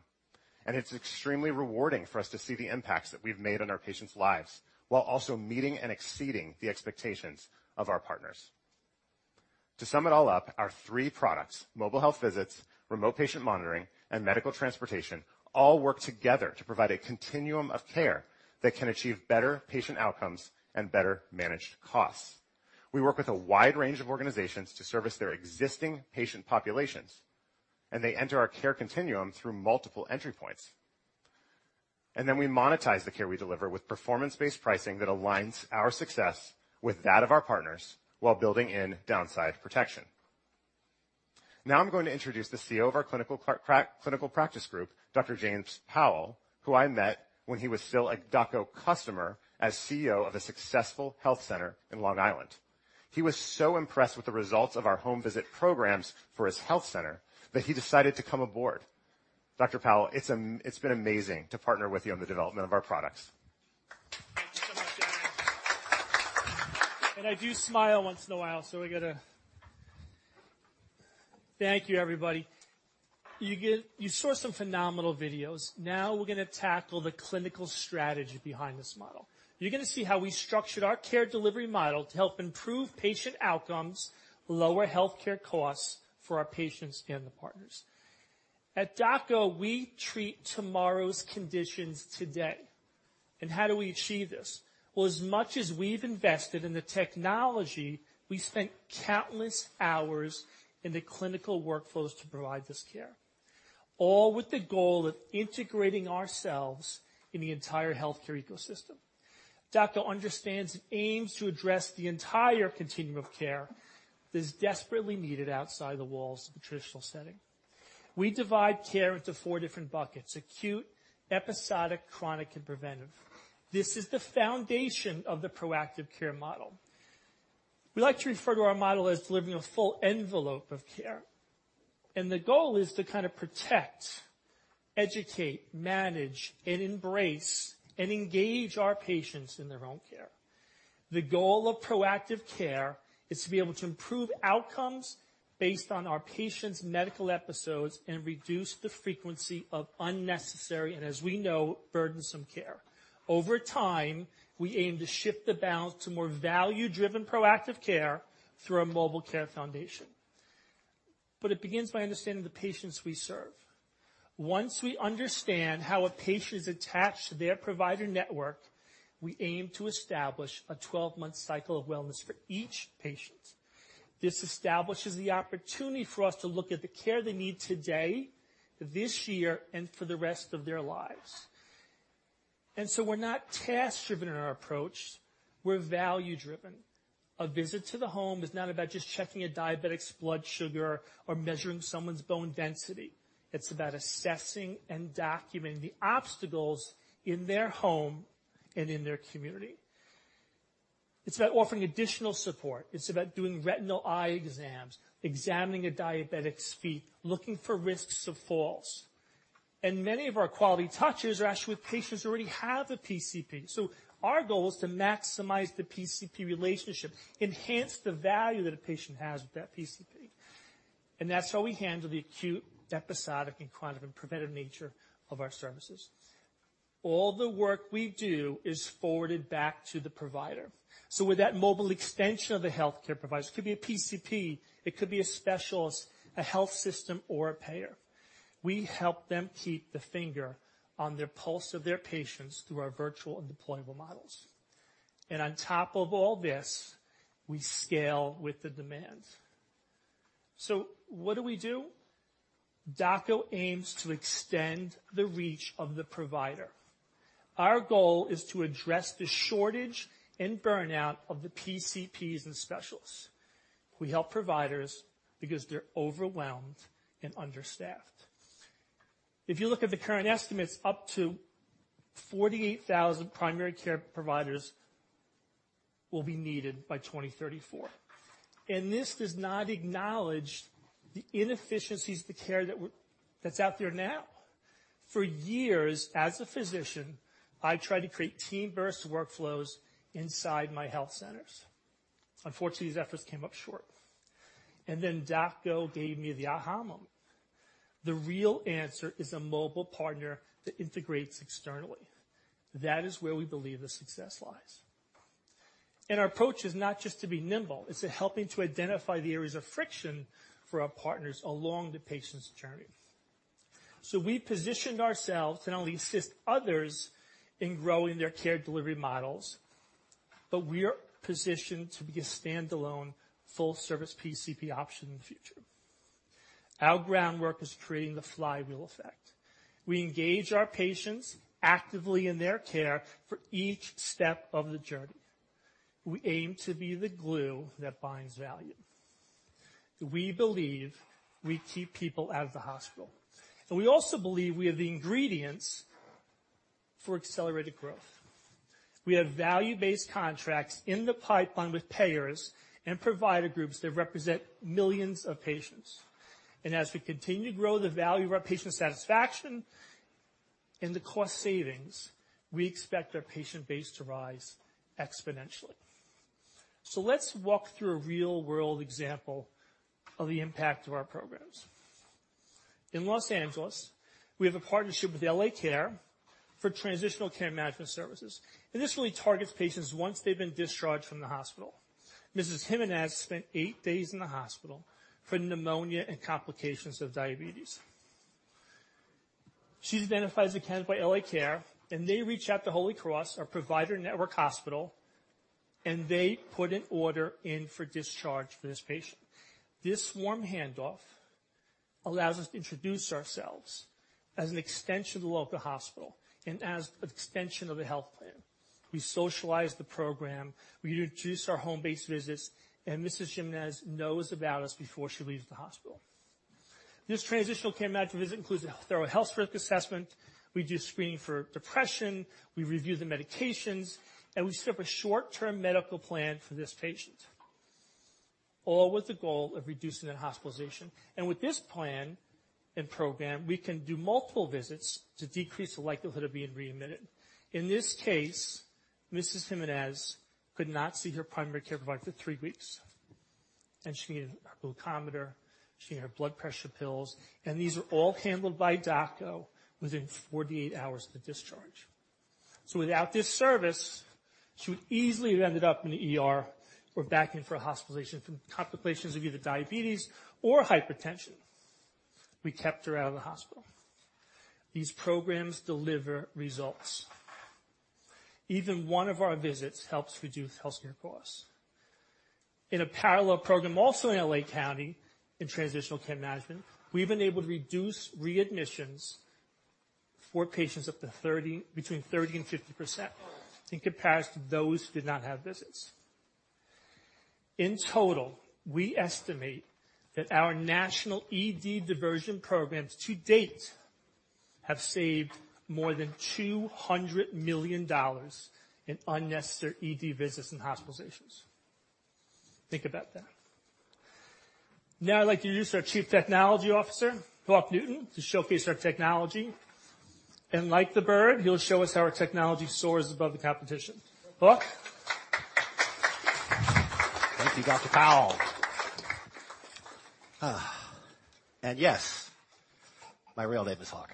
and it's extremely rewarding for us to see the impacts that we've made on our patients' lives, while also meeting and exceeding the expectations of our partners. To sum it all up, our three products, mobile health visits, remote patient monitoring, and medical transportation, all work together to provide a continuum of care that can achieve better patient outcomes and better-managed costs. We work with a wide range of organizations to service their existing patient populations, and they enter our care continuum through multiple entry points. We monetize the care we deliver with performance-based pricing that aligns our success with that of our partners, while building in downside protection. Now, I'm going to introduce the CEO of our Clinical Practice Group, Dr. James Powell, who I met when he was still a DocGo customer, as CEO of a successful health center in Long Island. He was so impressed with the results of our home visit programs for his health center that he decided to come aboard. Dr. Powell, it's been amazing to partner with you on the development of our products. Thank you so much, Aaron. I do smile once in a while, so I got to. Thank you, everybody. You saw some phenomenal videos. We're going to tackle the clinical strategy behind this model. You're going to see how we structured our care delivery model to help improve patient outcomes, lower healthcare costs for our patients and the partners. At DocGo, we treat tomorrow's conditions today. How do we achieve this? Well, as much as we've invested in the technology, we spent countless hours in the clinical workflows to provide this care, all with the goal of integrating ourselves in the entire healthcare ecosystem. DocGo understands and aims to address the entire continuum of care that is desperately needed outside the walls of the traditional setting. We divide care into four different buckets: acute, episodic, chronic, and preventive. This is the foundation of the proactive care model. We like to refer to our model as delivering a full envelope of care. The goal is to kind of protect, educate, manage, and embrace, and engage our patients in their own care. The goal of proactive care is to be able to improve outcomes based on our patients' medical episodes and reduce the frequency of unnecessary, and as we know, burdensome care. Over time, we aim to shift the balance to more value-driven, proactive care through our mobile care foundation. It begins by understanding the patients we serve. Once we understand how a patient is attached to their provider network, we aim to establish a 12-month cycle of wellness for each patient. This establishes the opportunity for us to look at the care they need today, this year, and for the rest of their lives. We're not task-driven in our approach, we're value-driven. A visit to the home is not about just checking a diabetic's blood sugar or measuring someone's bone density. It's about assessing and documenting the obstacles in their home and in their community. It's about offering additional support. It's about doing retinal eye exams, examining a diabetic's feet, looking for risks of falls. Many of our quality touches are actually with patients who already have a PCP. Our goal is to maximize the PCP relationship, enhance the value that a patient has with that PCP, and that's how we handle the acute, episodic, and chronic, and preventive nature of our services. All the work we do is forwarded back to the provider. With that mobile extension of the healthcare provider, it could be a PCP, it could be a specialist, a health system, or a payer. We help them keep the finger on their pulse of their patients through our virtual and deployable models. On top of all this, we scale with the demands. What do we do? DocGo aims to extend the reach of the provider. Our goal is to address the shortage and burnout of the PCPs and specialists. We help providers because they're overwhelmed and understaffed. If you look at the current estimates, up to 48,000 primary care providers will be needed by 2034, and this does not acknowledge the inefficiencies of the care that's out there now. For years, as a physician, I tried to create team-based workflows inside my health centers. Unfortunately, these efforts came up short. DocGo gave me the aha moment. The real answer is a mobile partner that integrates externally. That is where we believe the success lies. Our approach is not just to be nimble, it's to helping to identify the areas of friction for our partners along the patient's journey. We positioned ourselves to not only assist others in growing their care delivery models, but we are positioned to be a standalone, full-service PCP option in the future. Our groundwork is creating the flywheel effect. We engage our patients actively in their care for each step of the journey. We aim to be the glue that binds value. We believe we keep people out of the hospital, and we also believe we have the ingredients for accelerated growth. We have value-based contracts in the pipeline with payers and provider groups that represent millions of patients. As we continue to grow the value of our patient satisfaction and the cost savings, we expect our patient base to rise exponentially. Let's walk through a real-world example of the impact of our programs. In Los Angeles, we have a partnership with L.A. Care for Transitional Care Management Services, and this really targets patients once they've been discharged from the hospital. Mrs. Jimenez spent eight days in the hospital for pneumonia and complications of diabetes. She's identified as a candidate by L.A. Care, and they reach out to Holy Cross, our provider network hospital, and they put an order in for discharge for this patient. This warm handoff allows us to introduce ourselves as an extension of the local hospital and as an extension of the health plan. We socialize the program, we introduce our home-based visits, and Mrs. Jimenez knows about us before she leaves the hospital. This transitional care management visit includes a thorough health risk assessment. We do screening for depression, we review the medications, we set up a short-term medical plan for this patient, all with the goal of reducing the hospitalization. With this plan and program, we can do multiple visits to decrease the likelihood of being readmitted. In this case, Mrs. Jimenez could not see her primary care provider for three weeks, she needed her glucometer, she needed her blood pressure pills, and these were all handled by DocGo within 48 hours of the discharge. Without this service, she would easily have ended up in the ER or back in for a hospitalization from complications of either diabetes or hypertension. We kept her out of the hospital. These programs deliver results. Even one of our visits helps reduce healthcare costs. In a parallel program, also in L.A. County, in Transitional Care Management, we've been able to reduce readmissions for patients between 30% and 50% in comparison to those who did not have visits. In total, we estimate that our national ED diversion programs to date have saved more than $200 million in unnecessary ED visits and hospitalizations. Think about that. I'd like to introduce our Chief Technology Officer, Hawk Newton, to showcase our technology. Like the bird, he'll show us how our technology soars above the competition. Hawk? Thank you, Dr. Powell. Yes, my real name is Hawk.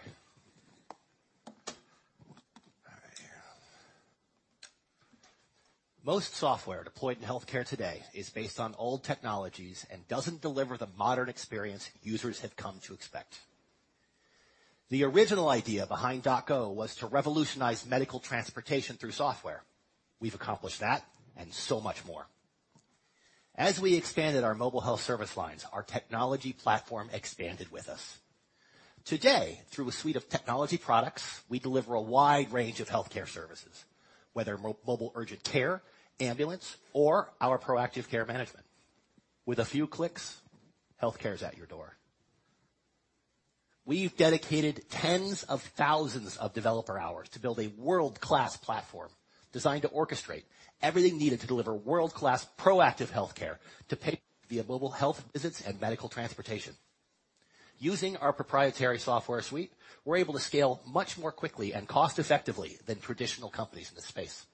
Most software deployed in healthcare today is based on old technologies and doesn't deliver the modern experience users have come to expect. The original idea behind DocGo was to revolutionize medical transportation through software. We've accomplished that and so much more. As we expanded our mobile health service lines, our technology platform expanded with us. Today, through a suite of technology products, we deliver a wide range of healthcare services, whether mobile urgent care, ambulance, or our proactive care management. With a few clicks, healthcare is at your door. We've dedicated tens of thousands of developer hours to build a world-class platform designed to orchestrate everything needed to deliver world-class, proactive healthcare to patients via mobile health visits and medical transportation. Using our proprietary software suite, we're able to scale much more quickly and cost-effectively than traditional companies in this space.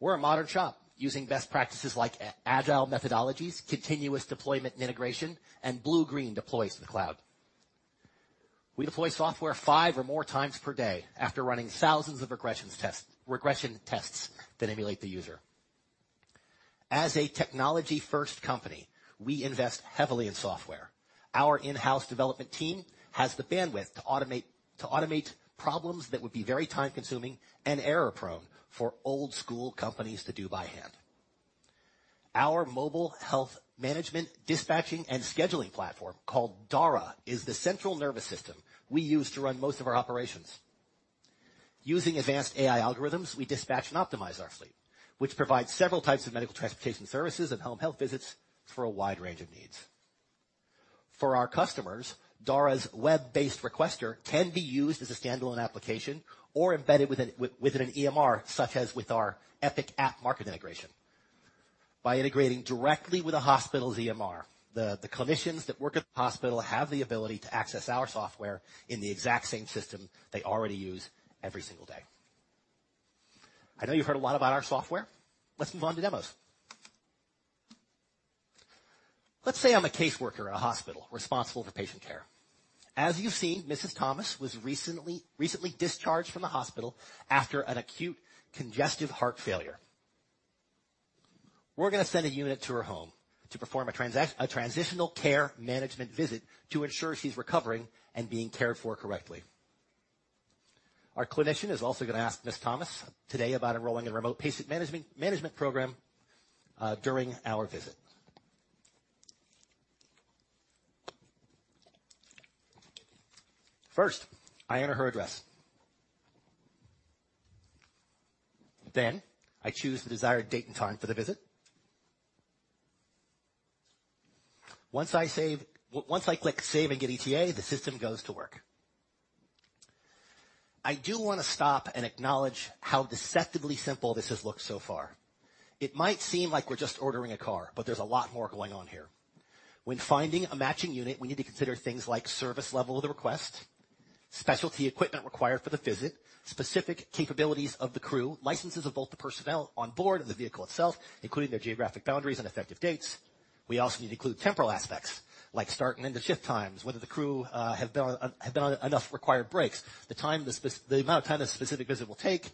We're a modern shop using best practices like agile methodologies, continuous deployment and integration, and blue-green deploys to the cloud. We deploy software 5 or more times per day after running thousands of regression tests that emulate the user. As a technology-first company, we invest heavily in software. Our in-house development team has the bandwidth to automate problems that would be very time-consuming and error-prone for old-school companies to do by hand. Our mobile health management, dispatching, and scheduling platform, called Dara, is the central nervous system we use to run most of our operations. Using advanced AI algorithms, we dispatch and optimize our fleet, which provides several types of medical transportation services and home health visits for a wide range of needs. For our customers, Dara's web-based requester can be used as a standalone application or embedded within an EMR, such as with our Epic App Market integration. By integrating directly with a hospital's EMR, the clinicians that work at the hospital have the ability to access our software in the exact same system they already use every single day. I know you've heard a lot about our software. Let's move on to demos. Let's say I'm a caseworker at a hospital responsible for patient care. As you've seen, Mrs. Thomas was recently discharged from the hospital after an acute congestive heart failure. We're going to send a unit to her home to perform a transitional care management visit to ensure she's recovering and being cared for correctly. Our clinician is also going to ask Mrs. Thomas today about enrolling in remote patient management program during our visit. I enter her address. I choose the desired date and time for the visit. Once I click Save and Get ETA, the system goes to work. I do want to stop and acknowledge how deceptively simple this has looked so far. It might seem like we're just ordering a car, but there's a lot more going on here. When finding a matching unit, we need to consider things like service level of the request, specialty equipment required for the visit, specific capabilities of the crew, licenses of both the personnel on board and the vehicle itself, including their geographic boundaries and effective dates. We also need to include temporal aspects like start and end of shift times, whether the crew have done enough required breaks, the amount of time the specific visit will take.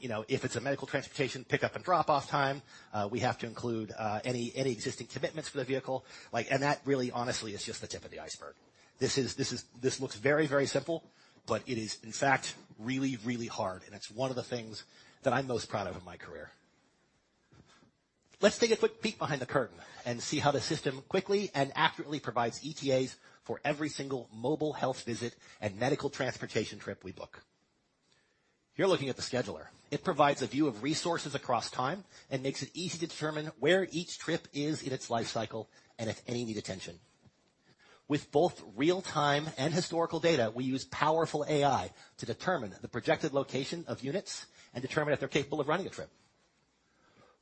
You know, if it's a medical transportation, pickup and drop-off time, we have to include any existing commitments for the vehicle. Like, that really, honestly, is just the tip of the iceberg. This looks very, very simple, but it is, in fact, really, really hard, and it's one of the things that I'm most proud of in my career. Let's take a quick peek behind the curtain and see how the system quickly and accurately provides ETAs for every single mobile health visit and medical transportation trip we book. You're looking at the scheduler. It provides a view of resources across time and makes it easy to determine where each trip is in its lifecycle and if any need attention. With both real-time and historical data, we use powerful AI to determine the projected location of units and determine if they're capable of running a trip.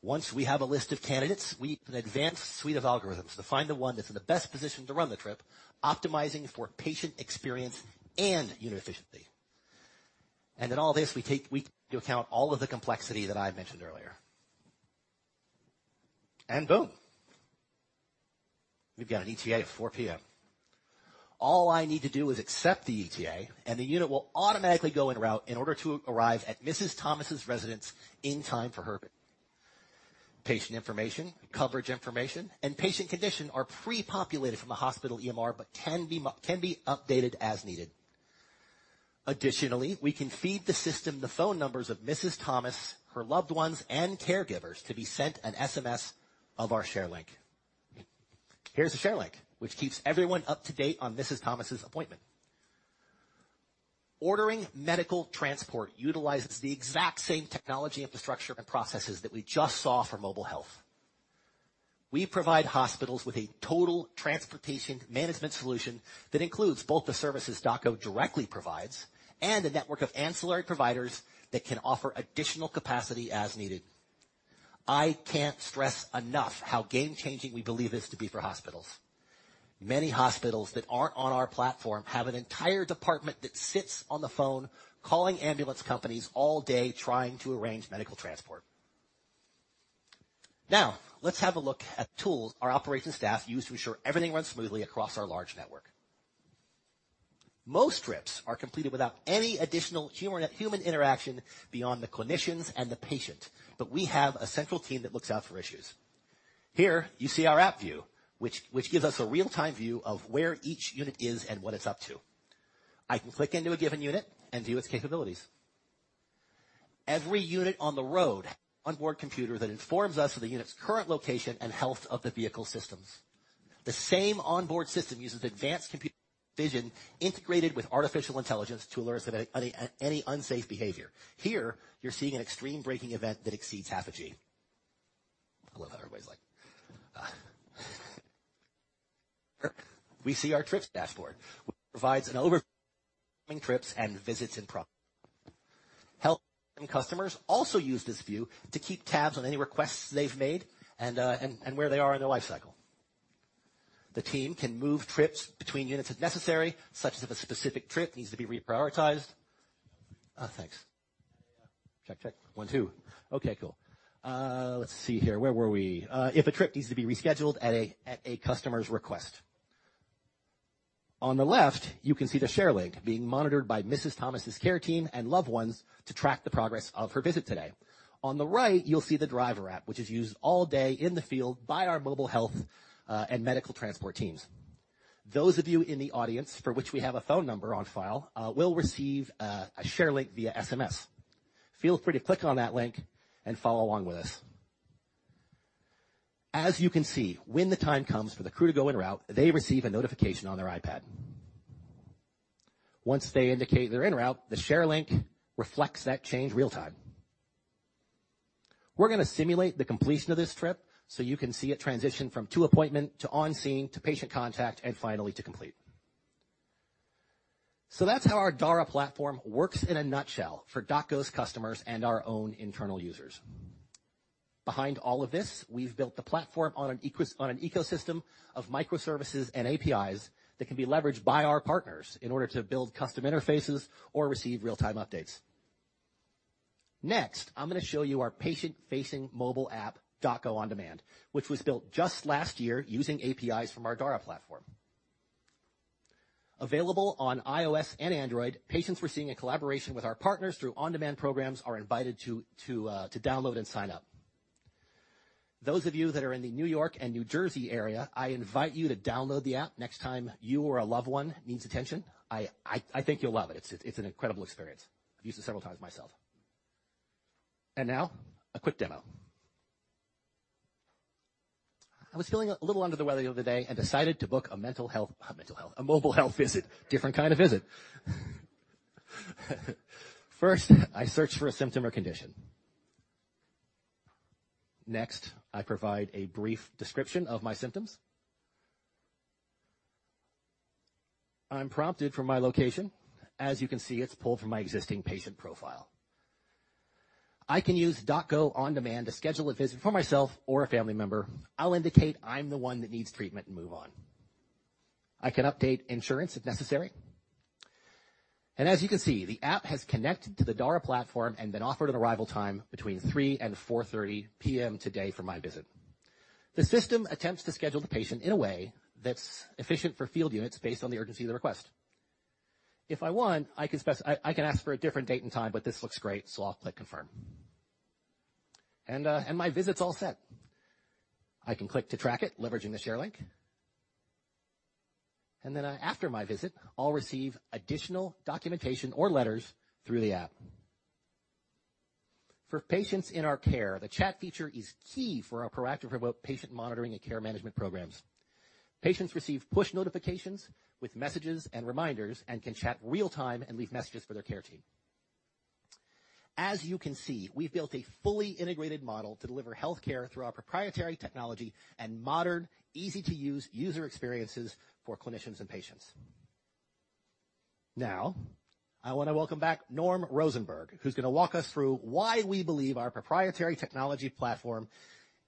Once we have a list of candidates, we use an advanced suite of algorithms to find the one that's in the best position to run the trip, optimizing for patient experience and unit efficiency. In all this, we take into account all of the complexity that I mentioned earlier. Boom! We've got an ETA of 4:00 P.M. All I need to do is accept the ETA, and the unit will automatically go en route in order to arrive at Mrs. Thomas's residence in time for her visit. Patient information, coverage information, and patient condition are pre-populated from the hospital EMR, can be updated as needed. Additionally, we can feed the system the phone numbers of Mrs. Thomas, her loved ones, and caregivers to be sent an SMS of our share link. Here's the share link, which keeps everyone up to date on Mrs. Thomas's appointment. Ordering medical transport utilizes the exact same technology, infrastructure, and processes that we just saw for mobile health. We provide hospitals with a total transportation management solution that includes both the services DocGo directly provides and a network of ancillary providers that can offer additional capacity as needed. I can't stress enough how game-changing we believe this to be for hospitals. Many hospitals that aren't on our platform have an entire department that sits on the phone, calling ambulance companies all day, trying to arrange medical transport. Now, let's have a look at the tools our operations staff use to ensure everything runs smoothly across our large network. Most trips are completed without any additional human interaction beyond the clinicians and the patient, but we have a central team that looks out for issues. Here, you see our app view, which gives us a real-time view of where each unit is and what it's up to. I can click into a given unit and view its capabilities. Every unit on the road, onboard computer that informs us of the unit's current location and health of the vehicle systems. The same onboard system uses advanced computer vision, integrated with artificial intelligence, to alert us of any unsafe behavior. Here, you're seeing an extreme braking event that exceeds half a G. I love how everybody's like. We see our trips dashboard, which provides an overview of trips and visits in progress. Health and customers also use this view to keep tabs on any requests they've made and where they are in their lifecycle. The team can move trips between units if necessary, such as if a specific trip needs to be reprioritized. Thanks. Okay, cool. Let's see here. Where were we? If a trip needs to be rescheduled at a customer's request. On the left, you can see the share link being monitored by Mrs. Thomas's care team and loved ones to track the progress of her visit today. On the right, you'll see the driver app, which is used all day in the field by our mobile health and medical transport teams. Those of you in the audience for which we have a phone number on file, will receive a share link via SMS. Feel free to click on that link and follow along with us. As you can see, when the time comes for the crew to go en route, they receive a notification on their iPad. Once they indicate they're en route, the share link reflects that change real-time. We're going to simulate the completion of this trip so you can see it transition from to appointment to on-scene, to patient contact, and finally to complete. That's how our Dara platform works in a nutshell for DocGo's customers and our own internal users. Behind all of this, we've built the platform on an ecosystem of microservices and APIs that can be leveraged by our partners in order to build custom interfaces or receive real-time updates. Next, I'm gonna show you our patient-facing mobile app, DocGo On-Demand, which was built just last year using APIs from our Dara platform. Available on iOS and Android, patients we're seeing a collaboration with our partners through on-demand programs are invited to download and sign up. Those of you that are in the New York and New Jersey area, I invite you to download the app next time you or a loved one needs attention. I think you'll love it. It's an incredible experience. I've used it several times myself. Now, a quick demo. I was feeling a little under the weather the other day and decided to book a mental health- not mental health, a mobile health visit. Different kind of visit. First, I search for a symptom or condition. Next, I provide a brief description of my symptoms. I'm prompted for my location. As you can see, it's pulled from my existing patient profile. I can use DocGo On-Demand to schedule a visit for myself or a family member. I'll indicate I'm the one that needs treatment and move on. I can update insurance if necessary. As you can see, the app has connected to the Dara platform and been offered an arrival time between 3:00 P.M. and 4:30 P.M. today for my visit. The system attempts to schedule the patient in a way that's efficient for field units based on the urgency of the request. If I want, I can ask for a different date and time, but this looks great, so I'll click Confirm. My visit's all set. I can click to track it, leveraging the share link. After my visit, I'll receive additional documentation or letters through the app. For patients in our care, the chat feature is key for our proactive remote patient monitoring and care management programs. Patients receive push notifications with messages and reminders, and can chat real time and leave messages for their care team. As you can see, we've built a fully integrated model to deliver healthcare through our proprietary technology and modern, easy-to-use user experiences for clinicians and patients. I wanna welcome back Norm Rosenberg, who's gonna walk us through why we believe our proprietary technology platform,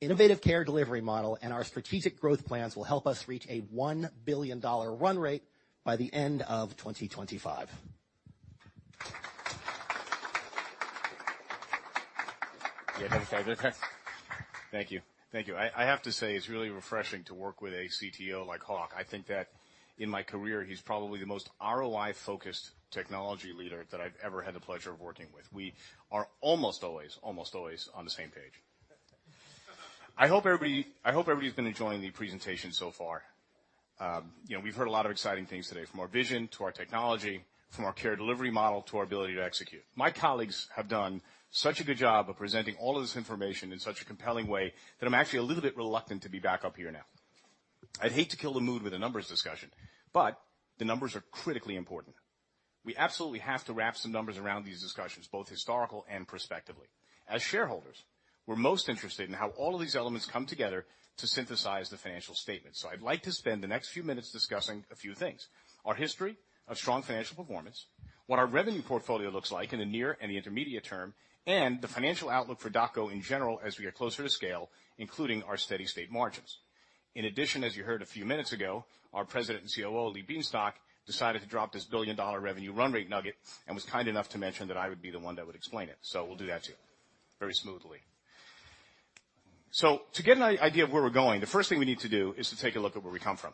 innovative care delivery model, and our strategic growth plans will help us reach a $1 billion run rate by the end of 2025. Thank you. Thank you. I have to say, it's really refreshing to work with a CTO like Hawk. I think that in my career, he's probably the most ROI-focused technology leader that I've ever had the pleasure of working with. We are almost always on the same page. I hope everybody's been enjoying the presentation so far. You know, we've heard a lot of exciting things today, from our vision to our technology, from our care delivery model to our ability to execute. My colleagues have done such a good job of presenting all of this information in such a compelling way, that I'm actually a little bit reluctant to be back up here now. I'd hate to kill the mood with a numbers discussion. The numbers are critically important. We absolutely have to wrap some numbers around these discussions, both historical and prospectively. As shareholders, we're most interested in how all of these elements come together to synthesize the financial statement. I'd like to spend the next few minutes discussing a few things: our history of strong financial performance, what our revenue portfolio looks like in the near and the intermediate term, and the financial outlook for DocGo in general as we get closer to scale, including our steady state margins. In addition, as you heard a few minutes ago, our President and COO, Lee Bienstock, decided to drop this billion-dollar revenue run rate nugget and was kind enough to mention that I would be the one that would explain it, so we'll do that, too, very smoothly. To get an idea of where we're going, the first thing we need to do is to take a look at where we come from.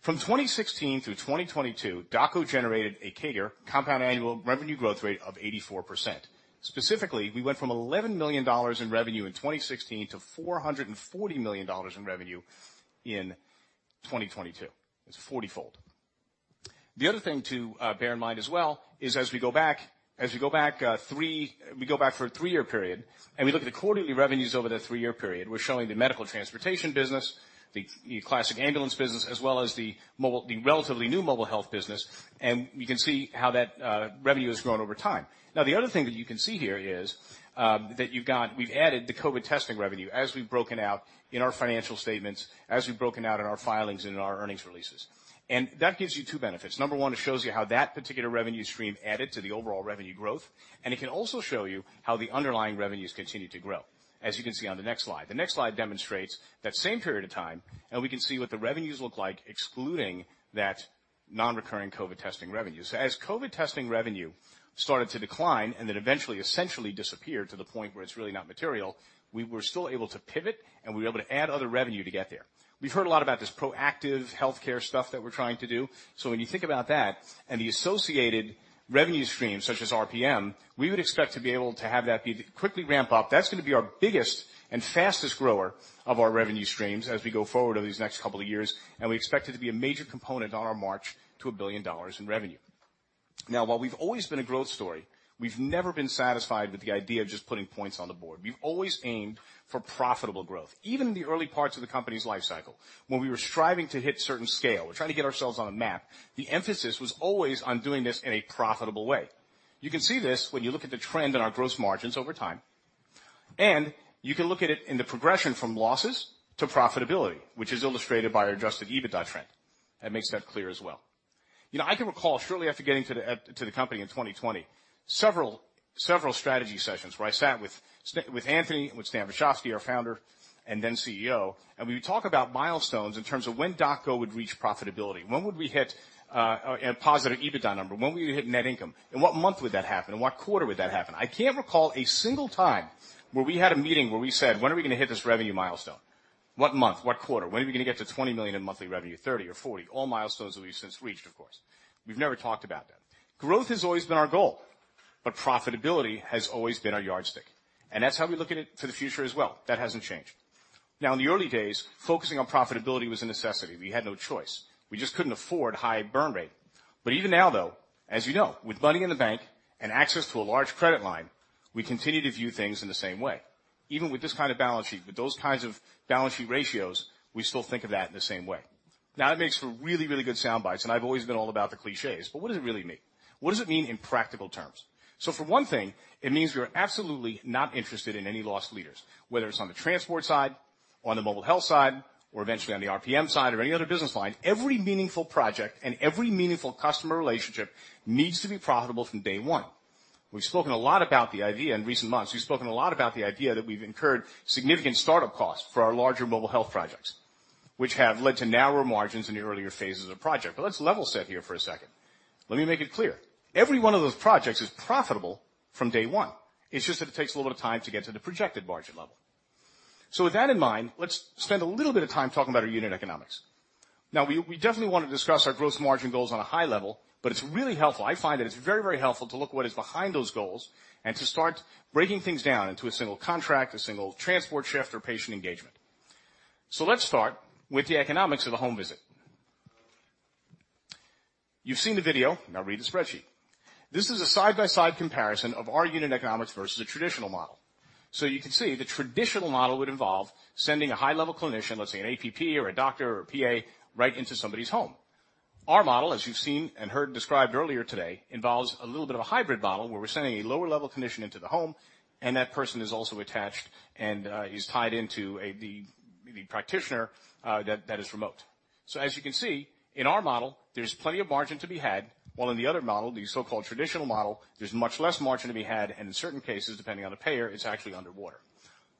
From 2016 through 2022, DocGo generated a CAGR, compound annual revenue growth rate, of 84%. Specifically, we went from $11 million in revenue in 2016 to $440 million in revenue in 2022. It's 40-fold. The other thing to bear in mind as well is, as we go back for a three-year period, and we look at the quarterly revenues over that three-year period, we're showing the medical transportation business, the classic ambulance business, as well as the relatively new mobile health business, and we can see how that revenue has grown over time. The other thing that you can see here is we've added the COVID testing revenue as we've broken out in our financial statements, as we've broken out in our filings and in our earnings releases. That gives you two benefits. Number one, it shows you how that particular revenue stream added to the overall revenue growth, and it can also show you how the underlying revenues continue to grow, as you can see on the next slide. The next slide demonstrates that same period of time, and we can see what the revenues look like, excluding that non-recurring COVID testing revenue. As COVID testing revenue started to decline and then eventually, essentially disappeared to the point where it's really not material, we were still able to pivot, and we were able to add other revenue to get there. We've heard a lot about this proactive healthcare stuff that we're trying to do, when you think about that and the associated revenue streams, such as RPM, we would expect to be able to have quickly ramp up. That's going to be our biggest and fastest grower of our revenue streams as we go forward over these next couple of years, and we expect it to be a major component on our march to $1 billion in revenue. While we've always been a growth story, we've never been satisfied with the idea of just putting points on the board. We've always aimed for profitable growth. Even in the early parts of the company's life cycle, when we were striving to hit certain scale, we're trying to get ourselves on the map, the emphasis was always on doing this in a profitable way. You can see this when you look at the trend in our gross margins over time, and you can look at it in the progression from losses to profitability, which is illustrated by our adjusted EBITDA trend. That makes that clear as well. You know, I can recall shortly after getting to the company in 2020, several strategy sessions where I sat with Anthony, with Stan Vashovsky, our founder, and then CEO, and we would talk about milestones in terms of when DocGo would reach profitability. When would we hit a positive EBITDA number? When would we hit net income? In what month would that happen? In what quarter would that happen? I can't recall a single time where we had a meeting where we said: When are we gonna hit this revenue milestone? What month? What quarter? When are we going to get to $20 million in monthly revenue, $30 million or $40 million? All milestones that we've since reached, of course. We've never talked about that. Growth has always been our goal, but profitability has always been our yardstick, and that's how we look at it for the future as well. That hasn't changed. Now, in the early days, focusing on profitability was a necessity. We had no choice. We just couldn't afford high burn rate. Even now, though, as you know, with money in the bank and access to a large credit line, we continue to view things in the same way. Even with this kind of balance sheet, with those kinds of balance sheet ratios, we still think of that in the same way. It makes for really, really good sound bites, and I've always been all about the cliches, but what does it really mean? What does it mean in practical terms? For one thing, it means we are absolutely not interested in any loss leaders, whether it's on the transport side, on the mobile health side, or eventually on the RPM side or any other business line. Every meaningful project and every meaningful customer relationship needs to be profitable from day one. We've spoken a lot about the idea in recent months. We've spoken a lot about the idea that we've incurred significant start-up costs for our larger mobile health projects, which have led to narrower margins in the earlier phases of project. Let's level set here for a second. Let me make it clear. Every one of those projects is profitable from day one. It's just that it takes a little bit of time to get to the projected margin level. With that in mind, let's spend a little bit of time talking about our unit economics. We definitely want to discuss our gross margin goals on a high level, but it's really helpful. I find that it's very helpful to look at what is behind those goals and to start breaking things down into a single contract, a single transport shift, or patient engagement. Let's start with the economics of a home visit. You've seen the video, now read the spreadsheet. This is a side-by-side comparison of our unit economics versus a traditional model. You can see the traditional model would involve sending a high-level clinician, let's say, an APP or a doctor or a PA, right into somebody's home. Our model, as you've seen and heard described earlier today, involves a little bit of a hybrid model, where we're sending a lower-level clinician into the home, and that person is also attached, and is tied into a, the practitioner that is remote. As you can see, in our model, there's plenty of margin to be had, while in the other model, the so-called traditional model, there's much less margin to be had, and in certain cases, depending on the payer, it's actually underwater.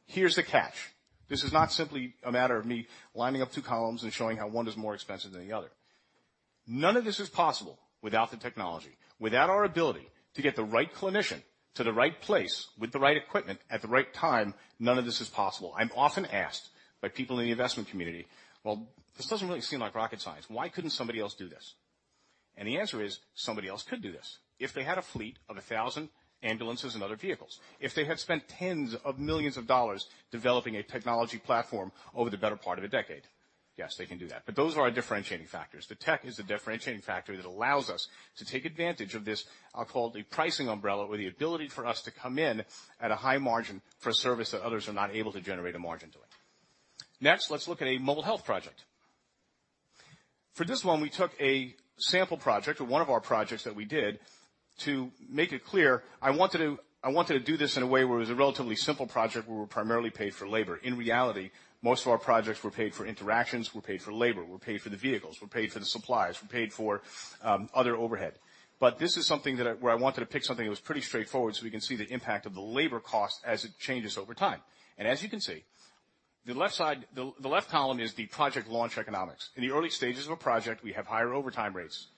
Here's the catch: this is not simply a matter of me lining up two columns and showing how one is more expensive than the other. None of this is possible without the technology. Without our ability to get the right clinician to the right place with the right equipment at the right time, none of this is possible. I'm often asked by people in the investment community, "Well, this doesn't really seem like rocket science. Why couldn't somebody else do this?" The answer is, somebody else could do this. If they had a fleet of 1,000 ambulances and other vehicles, if they had spent tens of millions of dollars developing a technology platform over the better part of a decade, yes, they can do that. Those are our differentiating factors. The tech is a differentiating factor that allows us to take advantage of this, I'll call it the pricing umbrella, or the ability for us to come in at a high margin for a service that others are not able to generate a margin to it. Next, let's look at a mobile health project. For this one, we took a sample project or one of our projects that we did. To make it clear, I wanted to do this in a way where it was a relatively simple project, where we're primarily paid for labor. In reality, most of our projects were paid for interactions, were paid for labor, were paid for the vehicles, were paid for the supplies, were paid for other overhead. This is something that I wanted to pick something that was pretty straightforward, so we can see the impact of the labor cost as it changes over time. As you can see, the left side. The left column is the project launch economics. In the early stages of a project, we have higher overtime rates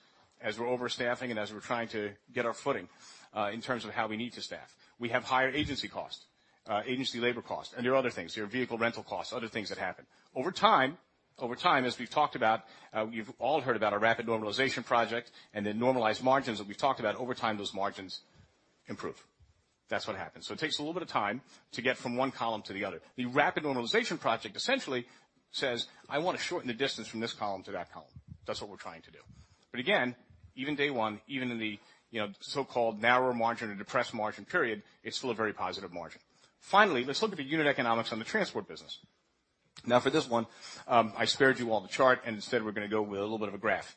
as we're overstaffing and as we're trying to get our footing in terms of how we need to staff. We have higher agency costs, agency labor costs. There are other things. There are vehicle rental costs, other things that happen. Over time, over time, as we've talked about, you've all heard about our rapid normalization project and the normalized margins that we've talked about. Over time, those margins improve. That's what happens. It takes a little bit of time to get from one column to the other. The rapid normalization project essentially says, "I want to shorten the distance from this column to that column." That's what we're trying to do. Again, even day one, even in the, you know, so-called narrower margin or depressed margin period, it's still a very positive margin. Finally, let's look at the unit economics on the transport business. For this one, I spared you all the chart. Instead, we're gonna go with a little bit of a graph.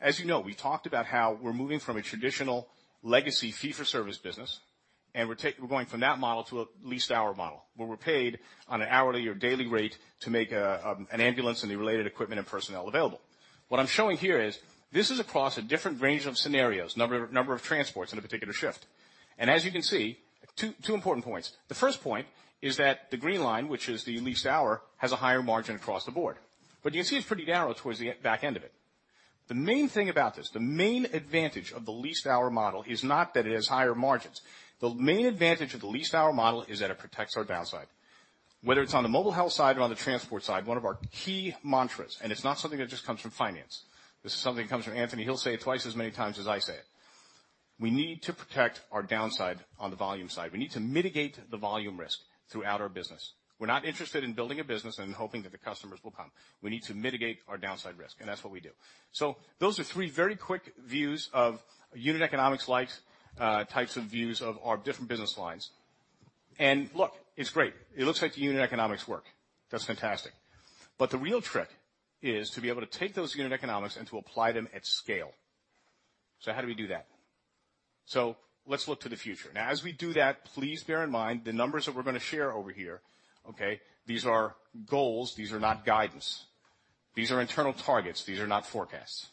As you know, we talked about how we're moving from a traditional legacy fee-for-service business. We're going from that model to a leased hour model, where we're paid on an hourly or daily rate to make an ambulance and the related equipment and personnel available. What I'm showing here is this is across a different range of scenarios, number of transports in a particular shift. As you can see, two important points. The first point is that the green line, which is the leased hour, has a higher margin across the board. You can see it's pretty narrow towards the back end of it. The main thing about this, the main advantage of the leased hour model, is not that it has higher margins. The main advantage of the leased hour model is that it protects our downside. Whether it's on the mobile health side or on the transport side, one of our key mantras, and it's not something that just comes from finance. This is something that comes from Anthony. He'll say it twice as many times as I say it. We need to protect our downside on the volume side. We need to mitigate the volume risk throughout our business. We're not interested in building a business and hoping that the customers will come. We need to mitigate our downside risk, and that's what we do. Those are three very quick views of unit economics likes, types of views of our different business lines. Look, it's great. It looks like the unit economics work. That's fantastic. The real trick is to be able to take those unit economics and to apply them at scale. How do we do that? Let's look to the future. Now, as we do that, please bear in mind the numbers that we're gonna share over here, okay? These are goals. These are not guidance. These are internal targets. These are not forecasts.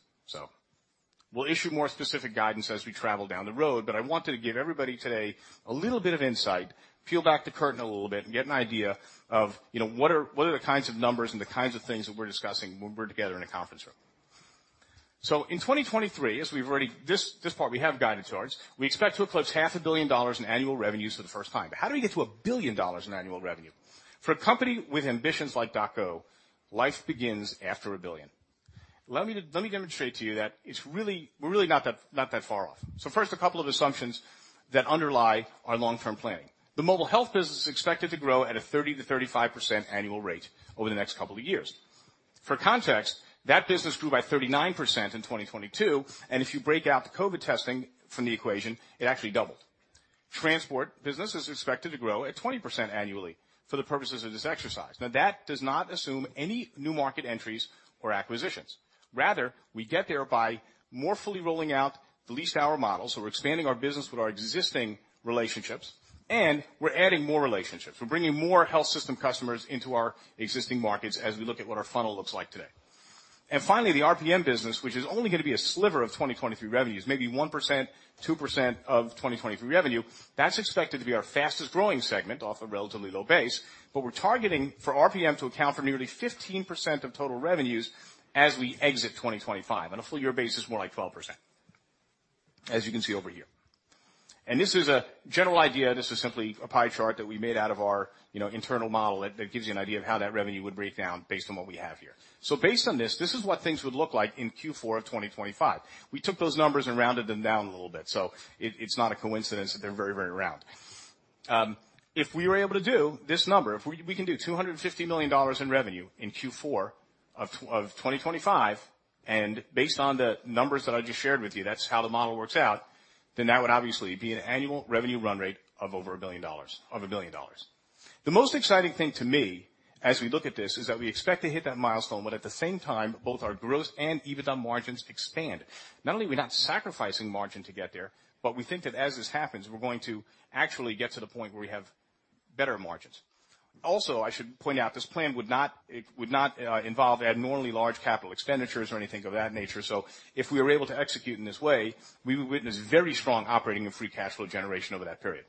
We'll issue more specific guidance as we travel down the road, but I wanted to give everybody today a little bit of insight, peel back the curtain a little bit, and get an idea of, you know, what are the kinds of numbers and the kinds of things that we're discussing when we're together in a conference room? In 2023, this part, we have guided towards, we expect to eclipse half a billion dollars in annual revenues for the first time. How do we get to $1 billion in annual revenue? For a company with ambitions like DocGo, life begins after $1 billion. Let me demonstrate to you that we're really not that far off. First, a couple of assumptions that underlie our long-term planning. The mobile health business is expected to grow at a 30%-35% annual rate over the next couple of years. For context, that business grew by 39% in 2022, and if you break out the COVID testing from the equation, it actually doubled. Transport business is expected to grow at 20% annually for the purposes of this exercise. That does not assume any new market entries or acquisitions. Rather, we get there by more fully rolling out the leased hour model. We're expanding our business with our existing relationships, and we're adding more relationships. We're bringing more health system customers into our existing markets as we look at what our funnel looks like today. Finally, the RPM business, which is only going to be a sliver of 2023 revenues, maybe 1%, 2% of 2023 revenue, that's expected to be our fastest-growing segment off a relatively low base. We're targeting for RPM to account for nearly 15% of total revenues as we exit 2025, on a full year basis, more like 12%, as you can see over here. This is a general idea. This is simply a pie chart that we made out of our, you know, internal model that gives you an idea of how that revenue would break down based on what we have here. Based on this is what things would look like in Q4 of 2025. We took those numbers and rounded them down a little bit, so it's not a coincidence that they're very, very round. If we were able to do this number, if we can do $250 million in revenue in Q4 of 2025, and based on the numbers that I just shared with you, that's how the model works out, then that would obviously be an annual revenue run rate of over $1 billion of $1 billion. The most exciting thing to me, as we look at this, is that we expect to hit that milestone, but at the same time, both our gross and EBITDA margins expand. Not only are we not sacrificing margin to get there, but we think that as this happens, we're going to actually get to the point where we have better margins. Also, I should point out, this plan would not, it would not involve abnormally large capital expenditures or anything of that nature. If we were able to execute in this way, we would witness very strong operating and free cash flow generation over that period.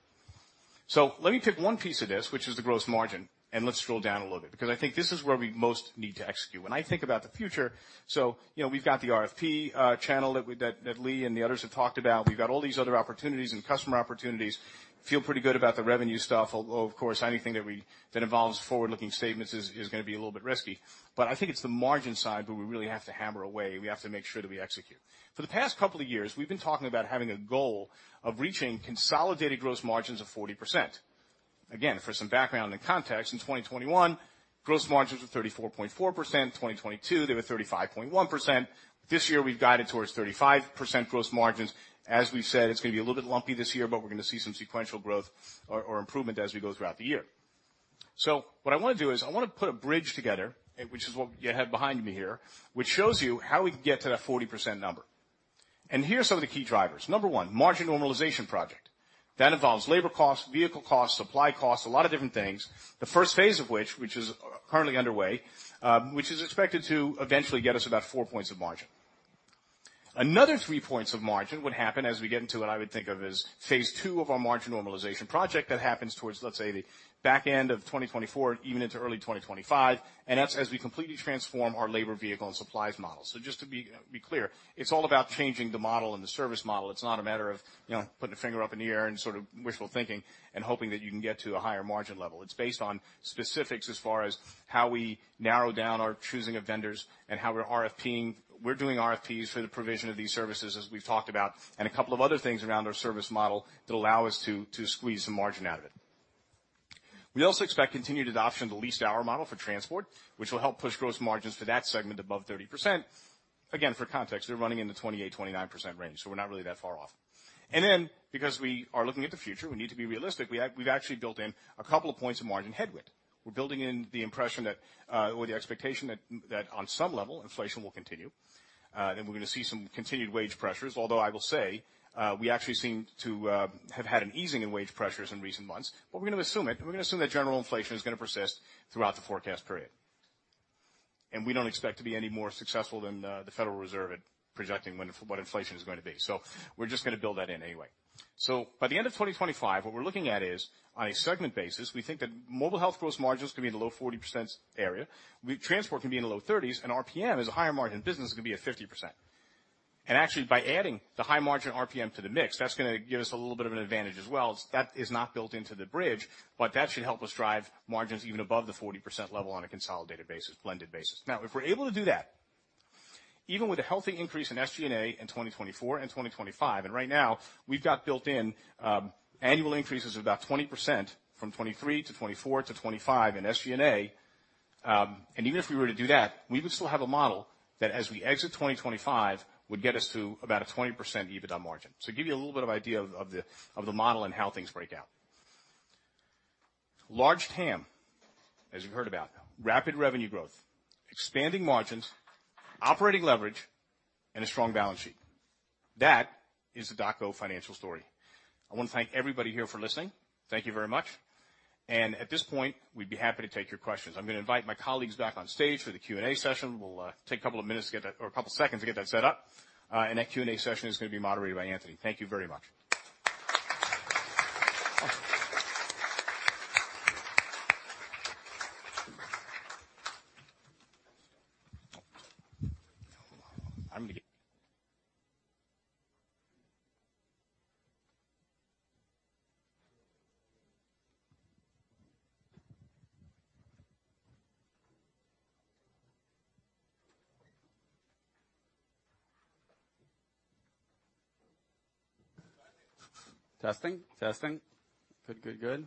Let me pick one piece of this, which is the gross margin, and let's scroll down a little bit, because I think this is where we most need to execute. When I think about the future, you know, we've got the RFP channel that Lee and the others have talked about. We've got all these other opportunities and customer opportunities. Feel pretty good about the revenue stuff, although, of course, anything that involves forward-looking statements is gonna be a little bit risky. I think it's the margin side where we really have to hammer away. We have to make sure that we execute. For the past couple of years, we've been talking about having a goal of reaching consolidated gross margins of 40%. Again, for some background and context, in 2021, gross margins were 34.4%. 2022, they were 35.1%. This year, we've guided towards 35% gross margins. As we've said, it's gonna be a little bit lumpy this year, but we're gonna see some sequential growth or improvement as we go throughout the year. What I wanna do is I wanna put a bridge together, which is what you have behind me here, which shows you how we can get to that 40% number. Here are some of the key drivers. Number one, margin normalization project. That involves labor costs, vehicle costs, supply costs, a lot of different things. The first phase of which is currently underway, which is expected to eventually get us about four points of margin. Another three points of margin would happen as we get into what I would think of as phase two of our margin normalization project. That happens towards, let's say, the back end of 2024, even into early 2025, and that's as we completely transform our labor, vehicle, and supplies model. Just to be clear, it's all about changing the model and the service model. It's not a matter of, you know, putting a finger up in the air and sort of wishful thinking and hoping that you can get to a higher margin level. It's based on specifics as far as how we narrow down our choosing of vendors and how we're RFPing. We're doing RFPs for the provision of these services, as we've talked about, and a couple of other things around our service model that allow us to squeeze some margin out of it. We also expect continued adoption of the leased hour model for transport, which will help push gross margins for that segment above 30%. For context, they're running in the 28%-29% range, we're not really that far off. Because we are looking at the future, we need to be realistic. We've actually built in a couple of points of margin headwind. We're building in the impression that, or the expectation that on some level, inflation will continue, and we're gonna see some continued wage pressures. I will say, we actually seem to have had an easing in wage pressures in recent months. We're gonna assume it, and we're gonna assume that general inflation is gonna persist throughout the forecast period. We don't expect to be any more successful than the Federal Reserve at projecting when, what inflation is going to be. We're just gonna build that in anyway. By the end of 2025, what we're looking at is, on a segment basis, we think that mobile health gross margins can be in the low 40% area. Transport can be in the low 30s, and RPM, as a higher margin business, is gonna be at 50%. Actually, by adding the high-margin RPM to the mix, that's gonna give us a little bit of an advantage as well. That is not built into the bridge, but that should help us drive margins even above the 40% level on a consolidated basis, blended basis. If we're able to do that, even with a healthy increase in SG&A in 2024 and 2025, right now, we've got built in annual increases of about 20% from 23 to 24 to 25 in SG&A. Even if we were to do that, we would still have a model that, as we exit 2025, would get us to about a 20% EBITDA margin. Give you a little bit of idea of the model and how things break out. Large TAM, as you heard about, rapid revenue growth, expanding margins, operating leverage, and a strong balance sheet. That is the DocGo financial story. I want to thank everybody here for listening. Thank you very much. At this point, we'd be happy to take your questions. I'm gonna invite my colleagues back on stage for the Q&A session. We'll take a couple of minutes to get that or a couple seconds to get that set up. That Q&A session is gonna be moderated by Anthony. Thank you very much. Testing, testing. Good, good.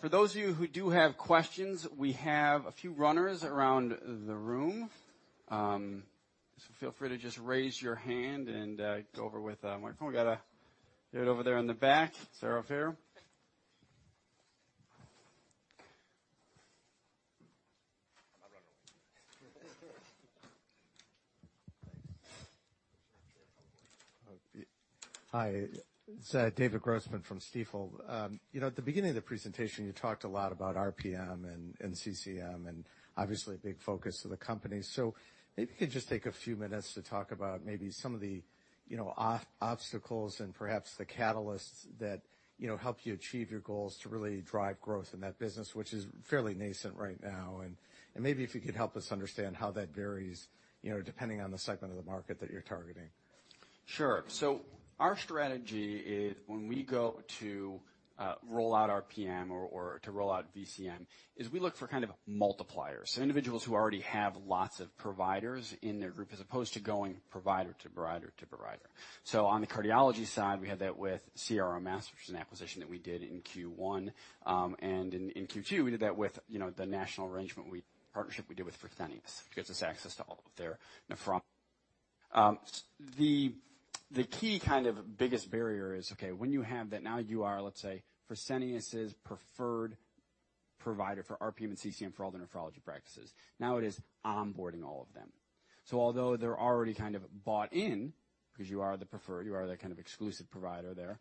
For those of you who do have questions, we have a few runners around the room. Feel free to just raise your hand and go over with microphone. We got a dude over there in the back. Is there up here? Hi, it's David Grossman from Stifel. You know, at the beginning of the presentation, you talked a lot about RPM and CCM, and obviously, a big focus of the company. Maybe if you could just take a few minutes to talk about maybe some of the, you know, obstacles and perhaps the catalysts that, you know, help you achieve your goals to really drive growth in that business, which is fairly nascent right now. Maybe if you could help us understand how that varies, you know, depending on the segment of the market that you're targeting? Sure. Our strategy is when we go to roll out RPM or to roll out VCM, is we look for kind of multipliers, so individuals who already have lots of providers in their group, as opposed to going provider to provider to provider. On the cardiology side, we had that with Cardiac RMS, which is an acquisition that we did in Q1. In Q2, we did that with, you know, the national arrangement partnership we did with Fresenius. It gives us access to all of their nephron. The key kind of biggest barrier is, okay, when you have that, now you are, let's say, Fresenius's preferred provider for RPM and CCM for all the nephrology practices. Now it is onboarding all of them. Although they're already kind of bought in, because you are the preferred, you are the kind of exclusive provider there,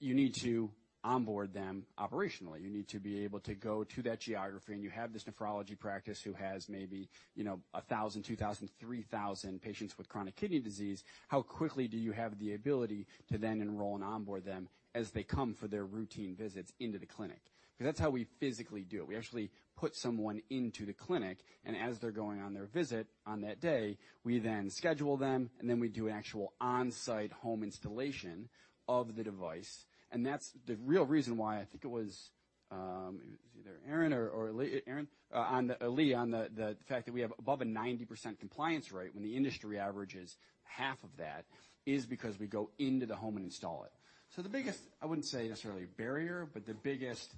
you need to onboard them operationally. You need to be able to go to that geography, and you have this nephrology practice who has maybe, you know, 1,000, 2,000, 3,000 patients with chronic kidney disease. How quickly do you have the ability to then enroll and onboard them as they come for their routine visits into the clinic? Because that's how we physically do it. We actually put someone into the clinic, and as they're going on their visit on that day, we then schedule them, and then we do an actual on-site home installation of the device. That's the real reason why I think it was either Aaron or Lee, Aaron, on the, Lee, on the fact that we have above a 90% compliance rate, when the industry average is half of that, is because we go into the home and install it. The biggest, I wouldn't say necessarily barrier, but the biggest,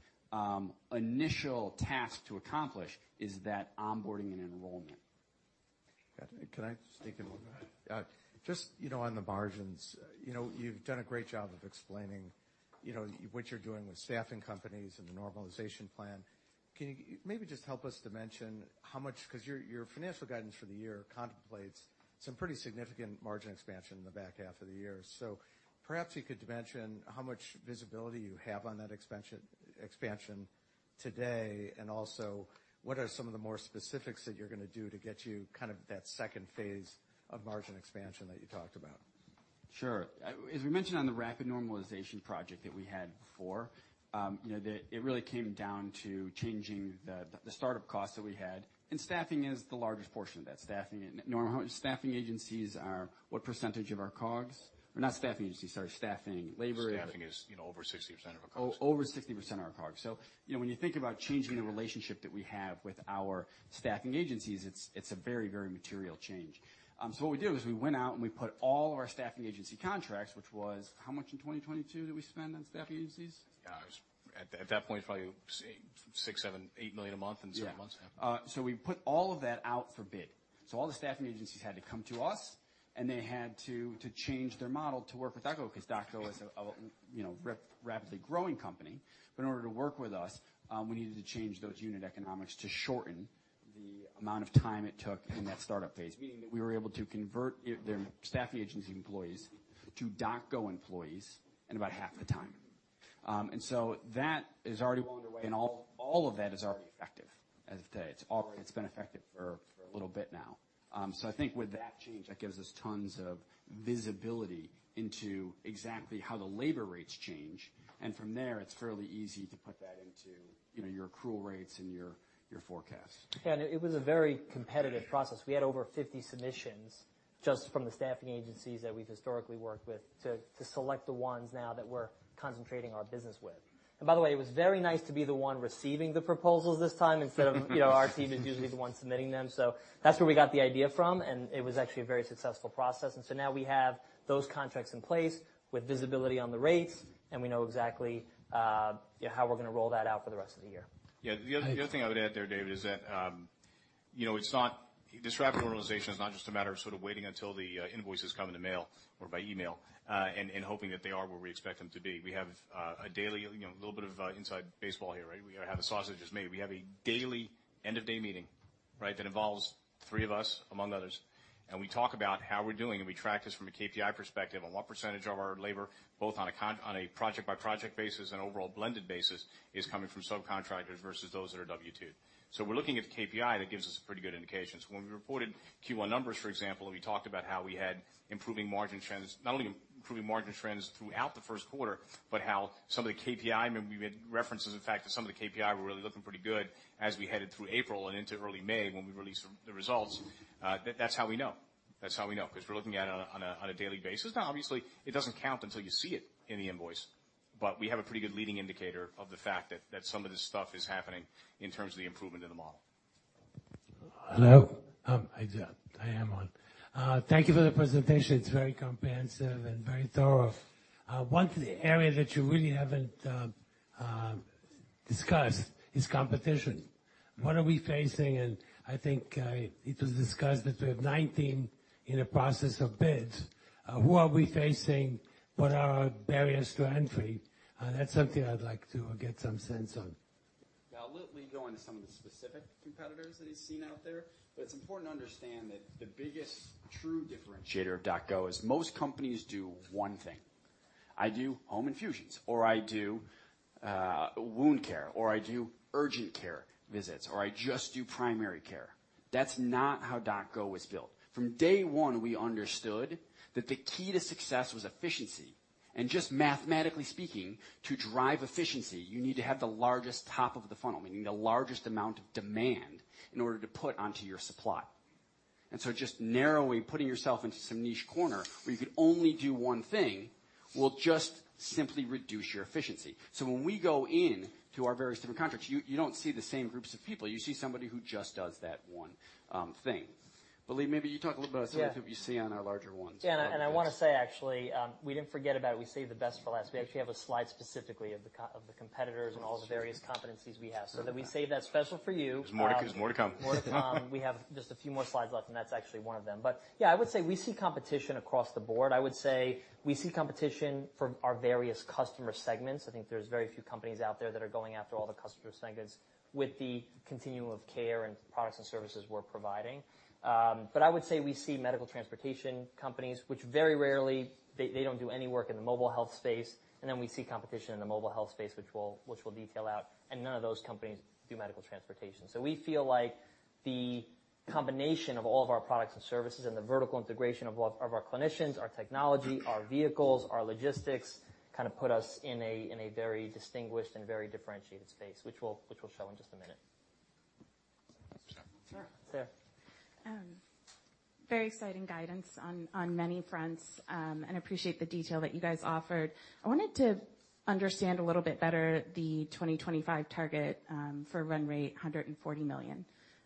initial task to accomplish is that onboarding and enrollment. Got it. Can I just take a moment? just, you know, on the margins, you know, you've done a great job of explaining, you know, what you're doing with staffing companies and the normalization plan. Can you maybe just help us to mention how much? Because your financial guidance for the year contemplates some pretty significant margin expansion in the back half of the year. Perhaps you could mention how much visibility you have on that expansion today, and also, what are some of the more specifics that you're gonna do to get you kind of that second phase of margin expansion that you talked about? Sure. As we mentioned on the rapid normalization project that we had before, you know, it really came down to changing the startup costs that we had, and staffing is the largest portion of that. Staffing and staffing agencies are what percentage of our COGS? Not staffing agencies, sorry, staffing, labor- Staffing is, you know, over 60% of our COGS. Over 60% of our COGS. You know, when you think about changing the relationship that we have with our staffing agencies, it's a very, very material change. What we did was we went out and we put all of our staffing agency contracts, which was, how much in 2022 did we spend on staffing agencies? At that point, probably $6 million, $7 million, $8 million a month in some months. Yeah. We put all of that out for bid. All the staffing agencies had to come to us, and they had to change their model to work with DocGo, because DocGo is a, you know, rapidly growing company. In order to work with us, we needed to change those unit economics to shorten the amount of time it took in that startup phase, meaning that we were able to convert their staffing agency employees to DocGo employees in about half the time. That is already well underway, and all of that is already effective as of today. It's been effective for a little bit now. I think with that change, that gives us tons of visibility into exactly how the labor rates change, and from there, it's fairly easy to put that into, you know, your accrual rates and your forecast. Yeah, it was a very competitive process. We had over 50 submissions just from the staffing agencies that we've historically worked with, to select the ones now that we're concentrating our business with. By the way, it was very nice to be the one receiving the proposals this time instead of, you know, our team is usually the one submitting them. That's where we got the idea from, and it was actually a very successful process. Now we have those contracts in place with visibility on the rates, and we know exactly how we're gonna roll that out for the rest of the year. Yeah, the other thing I would add there, David, is that, you know, this rapid normalization is not just a matter of sort of waiting until the invoices come in the mail or by email and hoping that they are where we expect them to be. We have a daily, you know, a little bit of inside baseball here, right? We gotta have the sausages made. We have a daily end-of-day meeting, right, that involves three of us, among others, and we talk about how we're doing, and we track this from a KPI perspective on what percentage of our labor, both on a project-by-project basis and overall blended basis, is coming from subcontractors versus those that are W-2. We're looking at the KPI, that gives us a pretty good indication. When we reported Q1 numbers, for example, and we talked about how we had improving margin trends, not only improving margin trends throughout the first quarter, but how some of the KPI, I mean, we had references, in fact, that some of the KPI were really looking pretty good as we headed through April and into early May, when we released the results. That's how we know, because we're looking at it on a daily basis. Now, obviously, it doesn't count until you see it in the invoice, but we have a pretty good leading indicator of the fact that some of this stuff is happening in terms of the improvement in the model. Hello? I am on. Thank you for the presentation. It's very comprehensive and very thorough. One area that you really haven't discussed is competition. What are we facing? I think it was discussed that we have 19 in the process of bids. Who are we facing? What are our barriers to entry? That's something I'd like to get some sense on. Yeah, I'll literally go into some of the specific competitors that he's seen out there. It's important to understand that the biggest true differentiator of DocGo is most companies do one thing. I do home infusions, or I do wound care, or I do urgent care visits, or I just do primary care. That's not how DocGo was built. From day one, we understood that the key to success was efficiency. Just mathematically speaking, to drive efficiency, you need to have the largest top of the funnel, meaning the largest amount of demand in order to put onto your supply. Just narrowing, putting yourself into some niche corner where you can only do one thing, will just simply reduce your efficiency. When we go in to our various different contracts, you don't see the same groups of people. You see somebody who just does that one thing. Lee, maybe you talk a little about some of the people you see on our larger ones. Yeah, I wanna say, actually, we didn't forget about. We saved the best for last. We actually have a slide specifically of the competitors and all the various competencies we have. We saved that special for you. There's more to come. More to come. We have just a few more slides left, and that's actually one of them. Yeah, I would say we see competition across the board. I would say we see competition from our various customer segments. I think there's very few companies out there that are going after all the customer segments with the continuum of care and products and services we're providing. I would say we see medical transportation companies, which very rarely, they don't do any work in the mobile health space, and then we see competition in the mobile health space, which we'll detail out, and none of those companies do medical transportation. we feel like the combination of all of our products and services and the vertical integration of our clinicians, our technology, our vehicles, our logistics, kinda put us in a very distinguished and very differentiated space, which we'll show in just a minute. Very exciting guidance on many fronts, appreciate the detail that you guys offered. I wanted to understand a little bit better the 2025 target for run rate, $140 million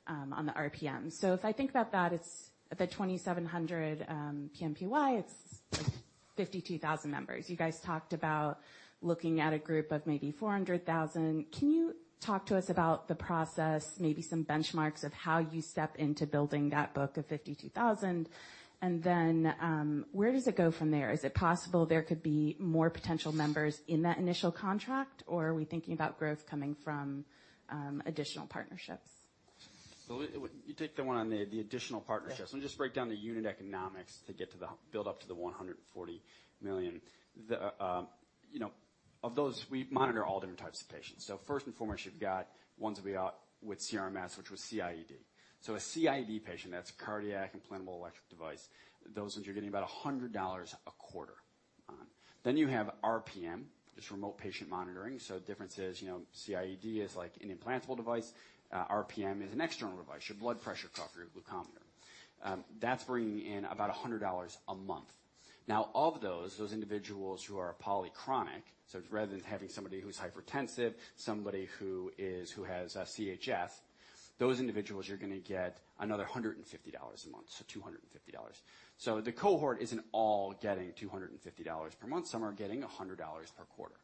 on the RPM. It's the 2,700 PMPY, it's 52,000 members. You guys talked about looking at a group of maybe 400,000. Can you talk to us about the process, maybe some benchmarks of how you step into building that book of 52,000? Where does it go from there? Is it possible there could be more potential members in that initial contract, or are we thinking about growth coming from additional partnerships? You take the one on the additional partnerships. Yeah. Let me just break down the unit economics to build up to the $140 million. You know, of those, we monitor all different types of patients. First and foremost, you've got ones with CRMS, which was CIED. A CIED patient, that's cardiac implantable electric device, those ones, you're getting about $100 a quarter on. You have RPM, just remote patient monitoring. The difference is, you know, CIED is like an implantable device. RPM is an external device, your blood pressure cuff, your glucometer. That's bringing in about $100 a month. Now, of those individuals who are polychronic, rather than having somebody who's hypertensive, somebody who has CHF, those individuals, you're gonna get another $150 a month, $250. The cohort isn't all getting $250 per month. Some are getting $100 per quarter.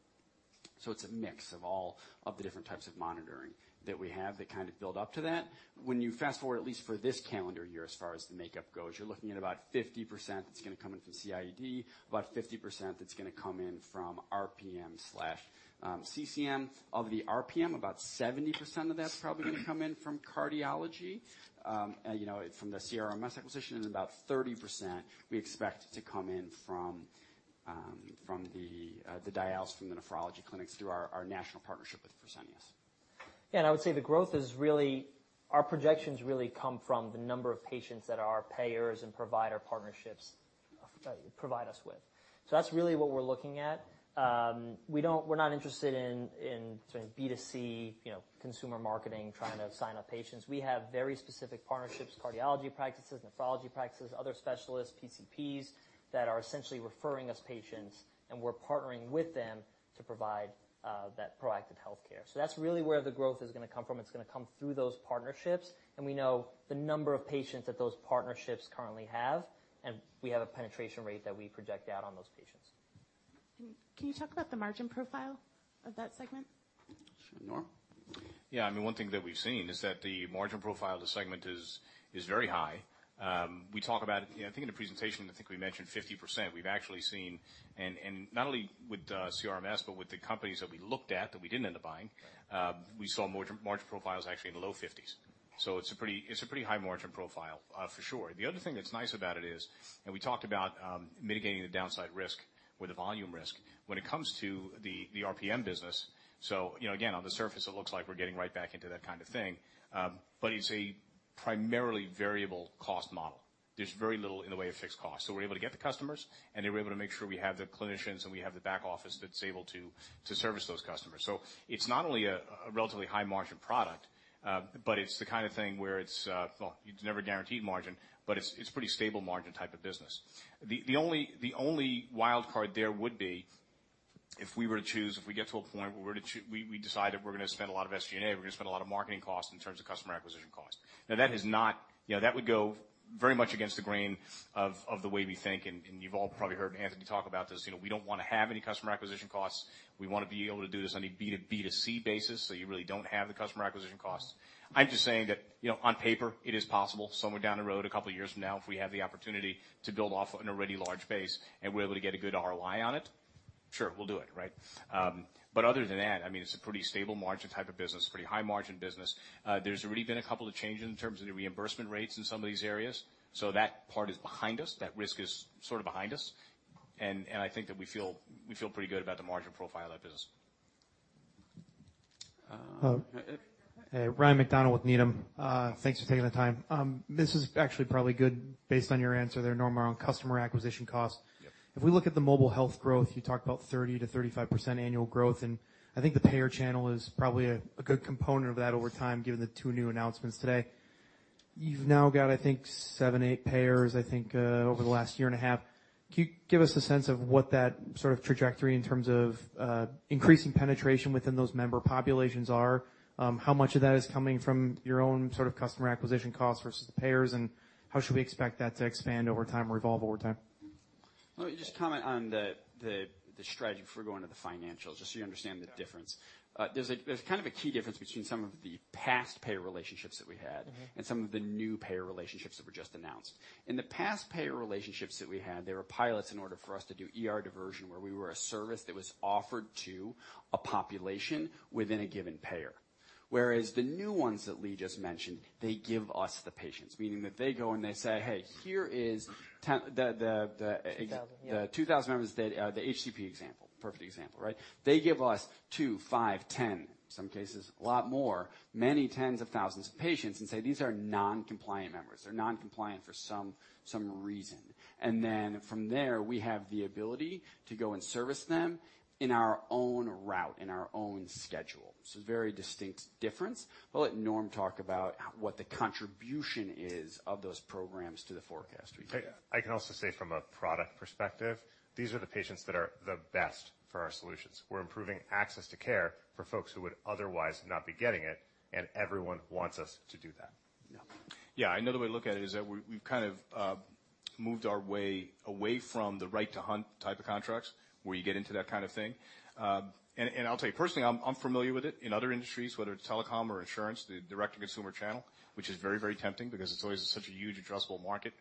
It's a mix of all of the different types of monitoring that we have that kind of build up to that. When you fast-forward, at least for this calendar year, as far as the makeup goes, you're looking at about 50% that's gonna come in from CIED, about 50% that's gonna come in from RPM, CCM. Of the RPM, about 70% of that's probably gonna come in from cardiology. You know, from the CRMS acquisition, and about 30% we expect to come in from the dialysis from the nephrology clinics through our national partnership with Fresenius. I would say the growth is really, our projections really come from the number of patients that our payers and provider partnerships provide us with. That's really what we're looking at. We're not interested in sort of B2C, you know, consumer marketing, trying to sign up patients. We have very specific partnerships, cardiology practices, nephrology practices, other specialists, PCPs, that are essentially referring us patients, and we're partnering with them to provide that proactive healthcare. That's really where the growth is going to come from. It's going to come through those partnerships, and we know the number of patients that those partnerships currently have, and we have a penetration rate that we project out on those patients. Can you talk about the margin profile of that segment? Sure, Norm? I mean, one thing that we've seen is that the margin profile of the segment is very high. We talk about, I think, in the presentation, I think we mentioned 50%. We've actually seen, and not only with CRMS, but with the companies that we looked at, that we didn't end up buying, we saw margin profiles actually in the low fifties. It's a pretty high margin profile for sure. The other thing that's nice about it is we talked about mitigating the downside risk or the volume risk. When it comes to the RPM business, you know, again, on the surface, it looks like we're getting right back into that kind of thing, it's a primarily variable cost model. There's very little in the way of fixed costs. We're able to get the customers, and then we're able to make sure we have the clinicians, and we have the back office that's able to service those customers. It's not only a relatively high-margin product, but it's the kind of thing where it's. Well, it's never guaranteed margin, but it's pretty stable margin type of business. The only wild card there would be. If we were to choose, if we get to a point where we decided we're gonna spend a lot of SG&A, we're gonna spend a lot of marketing costs in terms of customer acquisition costs. That is not, you know, that would go very much against the grain of the way we think, and you've all probably heard Anthony talk about this. You know, we don't wanna have any customer acquisition costs. We wanna be able to do this on a B2B, B2C basis, so you really don't have the customer acquisition costs. I'm just saying that, you know, on paper, it is possible somewhere down the road, a couple of years from now, if we have the opportunity to build off an already large base, and we're able to get a good ROI on it, sure, we'll do it, right? Other than that, I mean, it's a pretty stable margin type of business, pretty high-margin business. There's already been a couple of changes in terms of the reimbursement rates in some of these areas, so that part is behind us. That risk is sort of behind us, and I think that we feel pretty good about the margin profile of that business. Hey, Ryan MacDonald with Needham. Thanks for taking the time. This is actually probably good based on your answer there, Norm, around customer acquisition costs. Yep. If we look at the mobile health growth, you talked about 30% to 35% annual growth, and I think the payer channel is probably a good component of that over time, given the two new announcements today. You've now got, I think, seven, eight payers, I think, over the last year and a half. Can you give us a sense of what that sort of trajectory in terms of increasing penetration within those member populations are? How much of that is coming from your own sort of customer acquisition costs versus the payers, and how should we expect that to expand over time or evolve over time? Let me just comment on the strategy before we go into the financials, just so you understand the difference. There's kind of a key difference between some of the past payer relationships that we had and some of the new payer relationships that were just announced. In the past payer relationships that we had, there were pilots in order for us to do ER diversion, where we were a service that was offered to a population within a given payer. Whereas the new ones that Lee just mentioned, they give us the patients, meaning that they go, and they say, "Hey, here is the 2,000 members, the HCP example." Perfect example, right? They give us two, five, 10, some cases, a lot more, many tens of thousands of patients, and say, "These are non-compliant members." They're non-compliant for some reason. From there, we have the ability to go and service them in our own route, in our own schedule. Very distinct difference. We'll let Norm talk about what the contribution is of those programs to the forecast we gave. I can also say from a product perspective, these are the patients that are the best for our solutions. We're improving access to care for folks who would otherwise not be getting it. Everyone wants us to do that. Yeah. Another way to look at it is that we've kind of moved our way away from the right to hunt type of contracts, where you get into that kind of thing. And I'll tell you, personally, I'm familiar with it in other industries, whether it's telecom or insurance, the direct-to-consumer channel, which is very, very tempting because it's always such a huge addressable market,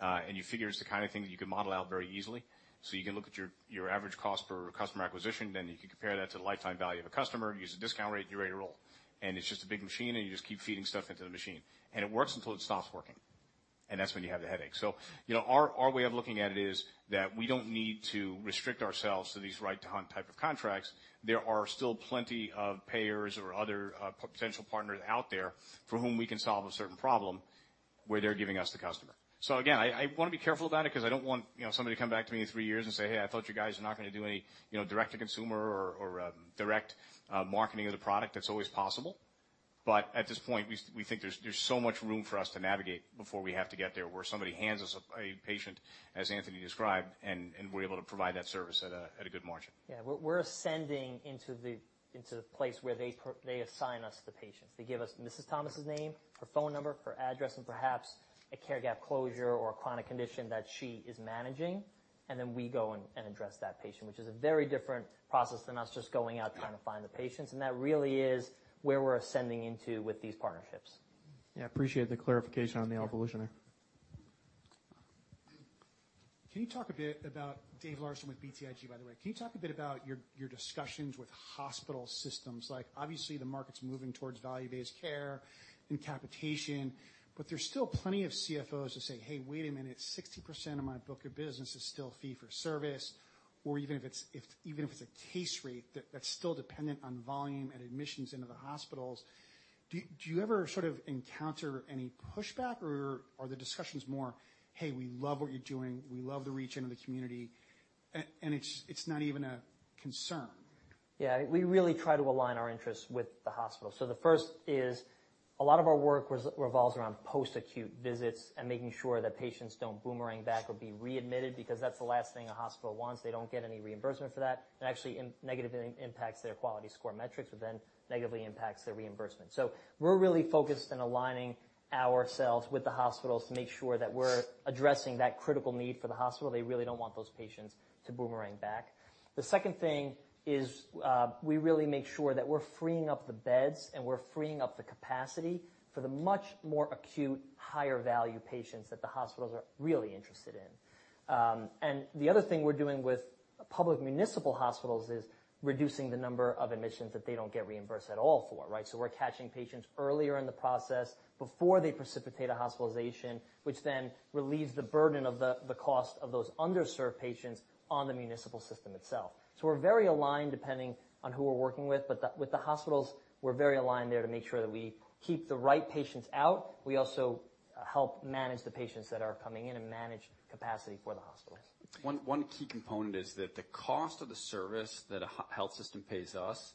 and you figure it's the kind of thing that you can model out very easily. You can look at your average cost per customer acquisition, then you can compare that to the lifetime value of a customer, use a discount rate, you're ready to roll. It's just a big machine, and you just keep feeding stuff into the machine, and it works until it stops working, and that's when you have the headache. You know, our way of looking at it is that we don't need to restrict ourselves to these right to hunt type of contracts. There are still plenty of payers or other potential partners out there for whom we can solve a certain problem, where they're giving us the customer. Again, I wanna be careful about it because I don't want, you know, somebody to come back to me in three years and say, "Hey, I thought you guys were not gonna do any, you know, direct to consumer or direct marketing of the product." That's always possible. At this point, we think there's so much room for us to navigate before we have to get there, where somebody hands us a patient, as Anthony described, and we're able to provide that service at a good margin. Yeah, we're ascending into the place where they assign us the patients. They give us Mrs. Thomas's name, her phone number, her address, and perhaps a care gap closure or a chronic condition that she is managing. Then we go and address that patient, which is a very different process than us just going out, trying to find the patients. That really is where we're ascending into with these partnerships. Yeah, appreciate the clarification on the evolution there. Can you talk a bit about. David Larsen with BTIG, by the way. Can you talk a bit about your discussions with hospital systems? Like, obviously, the market's moving towards value-based care and capitation, but there's still plenty of CFOs who say: Hey, wait a minute, 60% of my book of business is still fee for service, or even if it's a case rate, that's still dependent on volume and admissions into the hospitals. Do you ever sort of encounter any pushback, or are the discussions more, "Hey, we love what you're doing, we love the reach into the community," and it's not even a concern? Yeah, we really try to align our interests with the hospital. The first is, a lot of our work revolves around post-acute visits and making sure that patients don't boomerang back or be readmitted, because that's the last thing a hospital wants. They don't get any reimbursement for that. It actually negatively impacts their quality score metrics, negatively impacts their reimbursement. We're really focused on aligning ourselves with the hospitals to make sure that we're addressing that critical need for the hospital. They really don't want those patients to boomerang back. The second thing is, we really make sure that we're freeing up the beds, we're freeing up the capacity for the much more acute, higher-value patients that the hospitals are really interested in. The other thing we're doing with public municipal hospitals is reducing the number of admissions that they don't get reimbursed at all for, right? We're catching patients earlier in the process before they precipitate a hospitalization, which then relieves the burden of the cost of those underserved patients on the municipal system itself. We're very aligned, depending on who we're working with the hospitals, we're very aligned there to make sure that we keep the right patients out. We also help manage the patients that are coming in, and manage capacity for the hospitals. One key component is that the cost of the service that a health system pays us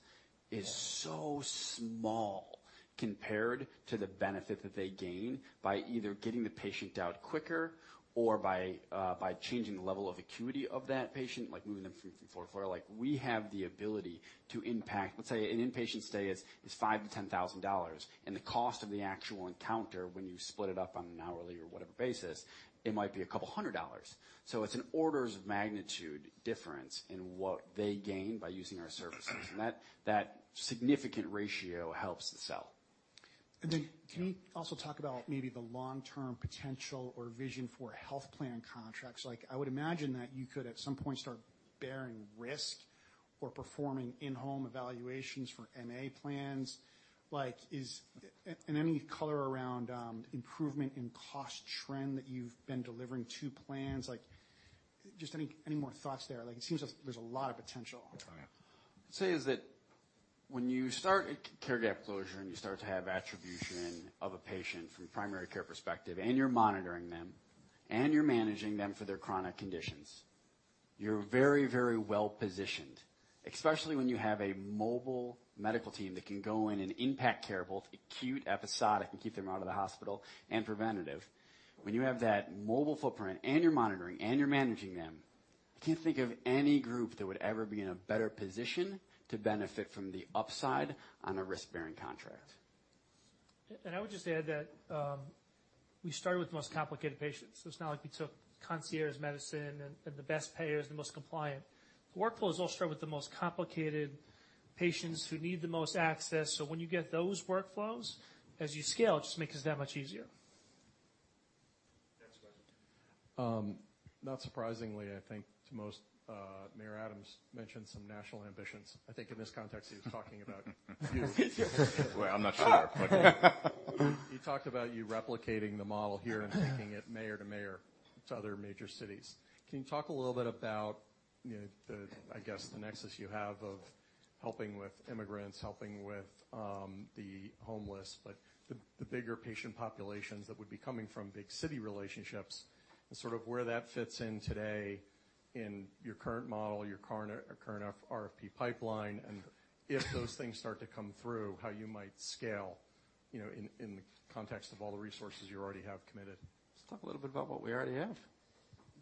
is so small compared to the benefit that they gain by either getting the patient out quicker or by changing the level of acuity of that patient, like moving them from fourth floor. Like, we have the ability to impact. Let's say an inpatient stay is $5,000-$10,000, and the cost of the actual encounter when you split it up on an hourly or whatever basis, it might be $200. It's an orders of magnitude difference in what they gain by using our services, and that significant ratio helps the sell. Can you also talk about maybe the long-term potential or vision for health plan contracts? Like, I would imagine that you could, at some point, start bearing risk or performing in-home evaluations for MA plans. Like, any color around improvement in cost trend that you've been delivering to plans, like just any more thoughts there? Like, it seems as there's a lot of potential. I'd say is that when you start care gap closure, and you start to have attribution of a patient from a primary care perspective, and you're monitoring them, and you're managing them for their chronic conditions, you're very, very well positioned, especially when you have a mobile medical team that can go in and impact care, both acute, episodic, and keep them out of the hospital and preventative. When you have that mobile footprint, and you're monitoring, and you're managing them, I can't think of any group that would ever be in a better position to benefit from the upside on a risk-bearing contract. I would just add that, we started with the most complicated patients. It's not like we took concierge medicine and the best payers, the most compliant. The workflows all start with the most complicated patients who need the most access, so when you get those workflows, as you scale, it just makes it that much easier. Next question. Not surprisingly, I think to most, Mayor Adams mentioned some national ambitions. I think in this context, he was talking about you. Well, I'm not sure, but. He talked about you replicating the model here and taking it mayor to mayor to other major cities. Can you talk a little bit about, you know, the, I guess, the nexus you have of helping with immigrants, helping with the homeless, but the bigger patient populations that would be coming from big city relationships, and sort of where that fits in today in your current model, your current RFP pipeline, and if those things start to come through, how you might scale, you know, in the context of all the resources you already have committed? Let's talk a little bit about what we already have.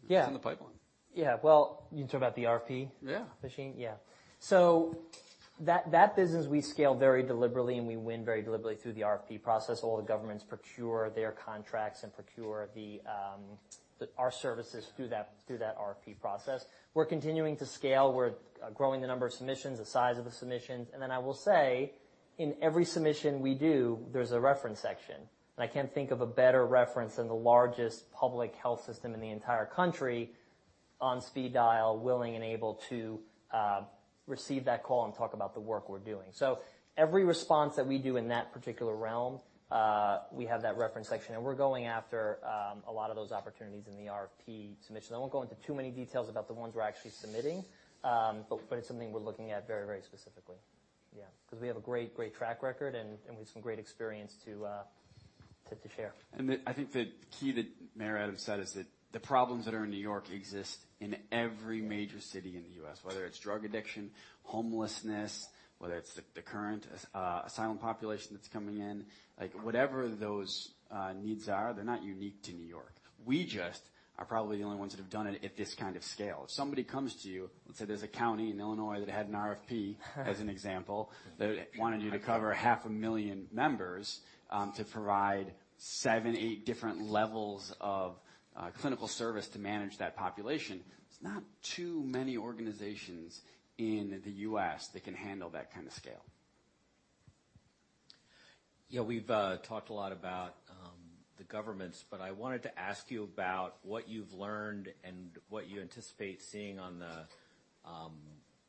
Yeah. in the pipeline. Yeah. Well, you can talk about the RFP? Yeah. Machine? Yeah. That, that business, we scale very deliberately, and we win very deliberately through the RFP process. All the governments procure their contracts and procure the, our services through that, through that RFP process. We're continuing to scale. We're growing the number of submissions, the size of the submissions. Then I will say, in every submission we do, there's a reference section, and I can't think of a better reference than the largest public health system in the entire country on speed dial, willing and able to receive that call and talk about the work we're doing. Every response that we do in that particular realm, we have that reference section, and we're going after a lot of those opportunities in the RFP submission. I won't go into too many details about the ones we're actually submitting, but it's something we're looking at very specifically. Yeah, because we have a great track record, and we have some great experience to share. I think the key that Mayor Adams said is that the problems that are in New York exist in every major city in the U.S., whether it's drug addiction, homelessness, whether it's the current asylum population that's coming in. Like, whatever those needs are, they're not unique to New York. We just are probably the only ones that have done it at this kind of scale. If somebody comes to you, let's say there's a county in Illinois that had an RFP, as an example, that wanted you to cover half a million members, to provide seven, eight different levels of clinical service to manage that population, there's not too many organizations in the US that can handle that kind of scale. We've talked a lot about the governments, but I wanted to ask you about what you've learned and what you anticipate seeing on the,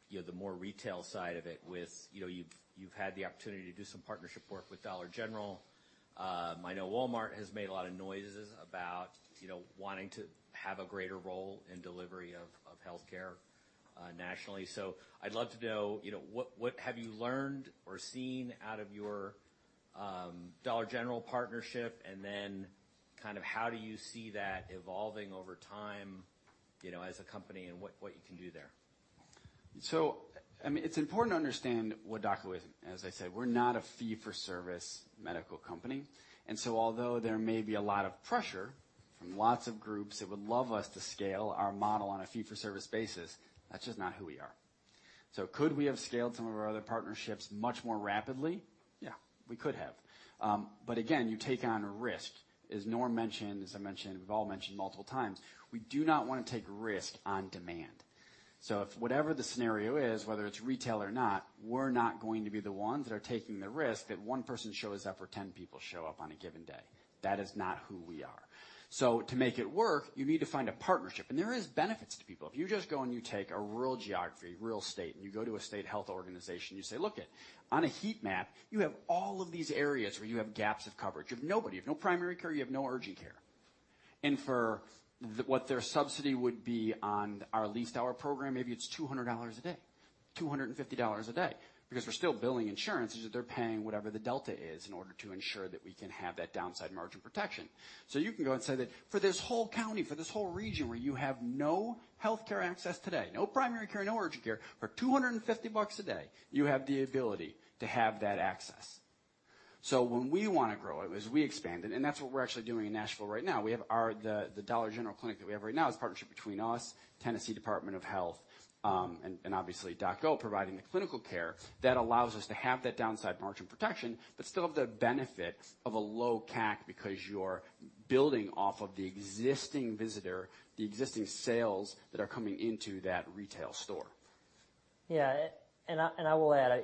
you know, the more retail side of it with. You know, you've had the opportunity to do some partnership work with Dollar General. I know Walmart has made a lot of noises about, you know, wanting to have a greater role in delivery of healthcare, nationally. I'd love to know, you know, what have you learned or seen out of your Dollar General partnership, and then kind of how do you see that evolving over time, you know, as a company and what you can do there? I mean, it's important to understand what DocGo is. As I said, we're not a fee-for-service medical company, although there may be a lot of pressure from lots of groups that would love us to scale our model on a fee-for-service basis, that's just not who we are. Could we have scaled some of our other partnerships much more rapidly? Yeah, we could have. Again, you take on a risk. As Norm mentioned, as I mentioned, we've all mentioned multiple times, we do not wanna take risk on demand. If whatever the scenario is, whether it's retail or not, we're not going to be the ones that are taking the risk that one person shows up or 10 people show up on a given day. That is not who we are. To make it work, you need to find a partnership. There is benefits to people. If you just go and you take a rural geography, real state, and you go to a state health organization, you say, "Look it, on a heat map, you have all of these areas where you have gaps of coverage. You have nobody. You have no primary care, you have no urgent care." For the, what their subsidy would be on our Leased Hour program, maybe it's $200 a day, $250 a day, because we're still billing insurance. It's just they're paying whatever the delta is in order to ensure that we can have that downside margin protection. You can go and say that for this whole county, for this whole region, where you have no healthcare access today, no primary care, no urgent care, for $250 a day, you have the ability to have that access. When we wanna grow, as we expanded, and that's what we're actually doing in Nashville right now. We have the Dollar General clinic that we have right now is a partnership between us, Tennessee Department of Health, and obviously, DocGo, providing the clinical care that allows us to have that downside margin protection, but still have the benefit of a low CAC, because you're building off of the existing visitor, the existing sales that are coming into that retail store. I will add.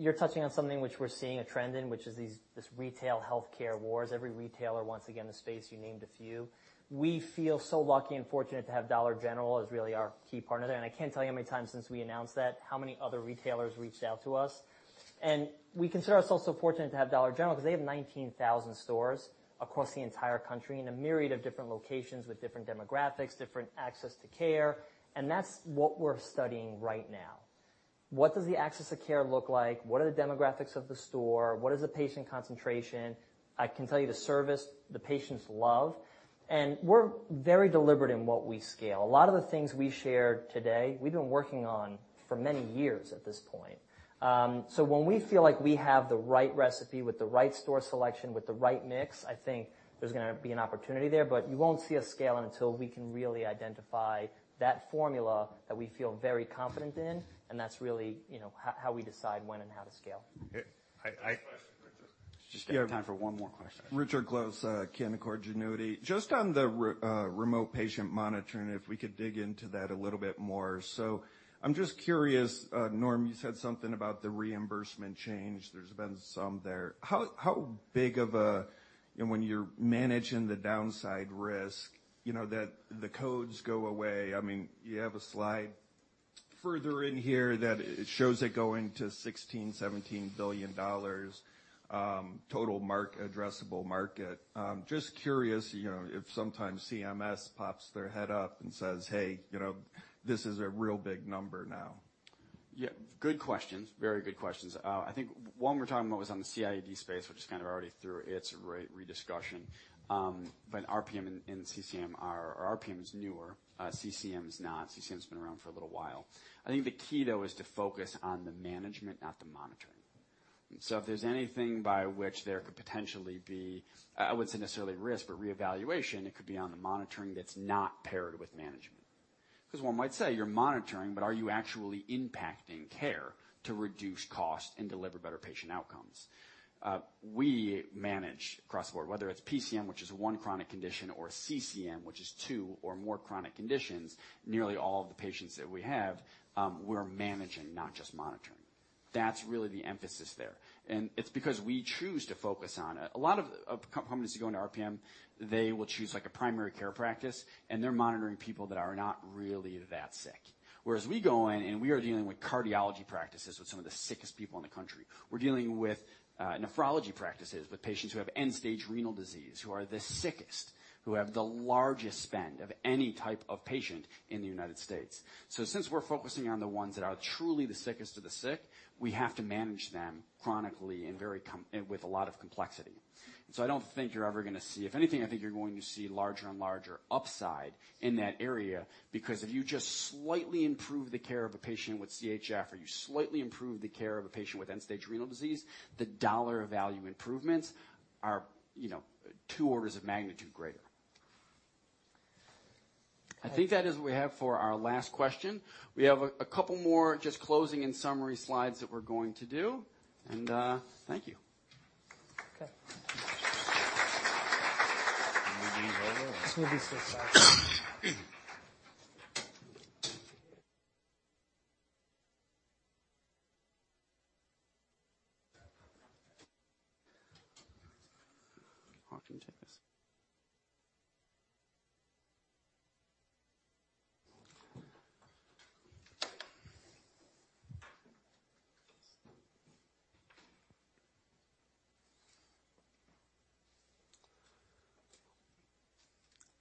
You're touching on something which we're seeing a trend in, which is this retail healthcare wars. Every retailer, once again, the space, you named a few. We feel so lucky and fortunate to have Dollar General as really our key partner there, and I can't tell you how many times since we announced that, how many other retailers reached out to us. We consider ourselves so fortunate to have Dollar General because they have 19,000 stores across the entire country in a myriad of different locations, with different demographics, different access to care, and that's what we're studying right now. What does the access to care look like? What are the demographics of the store? What is the patient concentration? I can tell you, the service, the patients love, and we're very deliberate in what we scale. A lot of the things we shared today, we've been working on for many years at this point. When we feel like we have the right recipe, with the right store selection, with the right mix, I think there's gonna be an opportunity there, but you won't see us scaling until we can really identify that formula that we feel very confident in, and that's really, you know, how we decide when and how to scale. We have time for one more question. Richard Close, Canaccord Genuity. Just on the remote patient monitoring, if we could dig into that a little bit more. I'm just curious, Norm, you said something about the reimbursement change. There's been some there. How, how big of a. And when you're managing the downside risk, you know, that the codes go away. I mean, you have a slide further in here that it shows it going to $16 billion-$17 billion, total mark, addressable market. Just curious, you know, if sometimes CMS pops their head up and says: Hey, you know, this is a real big number now. Yeah, good questions. Very good questions. I think one we're talking about was on the CIED space, which is kind of already through its rediscussion. RPM and CCM are. RPM is newer. CCM is not. CCM has been around for a little while. I think the key, though, is to focus on the management, not the monitoring. If there's anything by which there could potentially be, I wouldn't say necessarily risk, but reevaluation, it could be on the monitoring that's not paired with management. One might say, "You're monitoring, but are you actually impacting care to reduce cost and deliver better patient outcomes?" We manage across the board, whether it's PCM, which is one chronic condition, or CCM, which is two or more chronic conditions. Nearly all of the patients that we have, we're managing, not just monitoring. That's really the emphasis there, and it's because we choose to focus on it. A lot of companies that go into RPM, they will choose, like, a primary care practice, and they're monitoring people that are not really that sick. We go in, and we are dealing with cardiology practices, with some of the sickest people in the country. We're dealing with nephrology practices, with patients who have end-stage renal disease, who are the sickest, who have the largest spend of any type of patient in the United States. Since we're focusing on the ones that are truly the sickest of the sick, we have to manage them chronically and very with a lot of complexity. I don't think you're ever gonna see... If anything, I think you're going to see larger and larger upside in that area, because if you just slightly improve the care of a patient with CHF, or you slightly improve the care of a patient with end-stage renal disease, the dollar value improvements are, you know, two orders of magnitude greater. I think that is what we have for our last question. We have a couple more just closing and summary slides that we're going to do. Thank you. Okay. This will be over. This will be so fast. Off you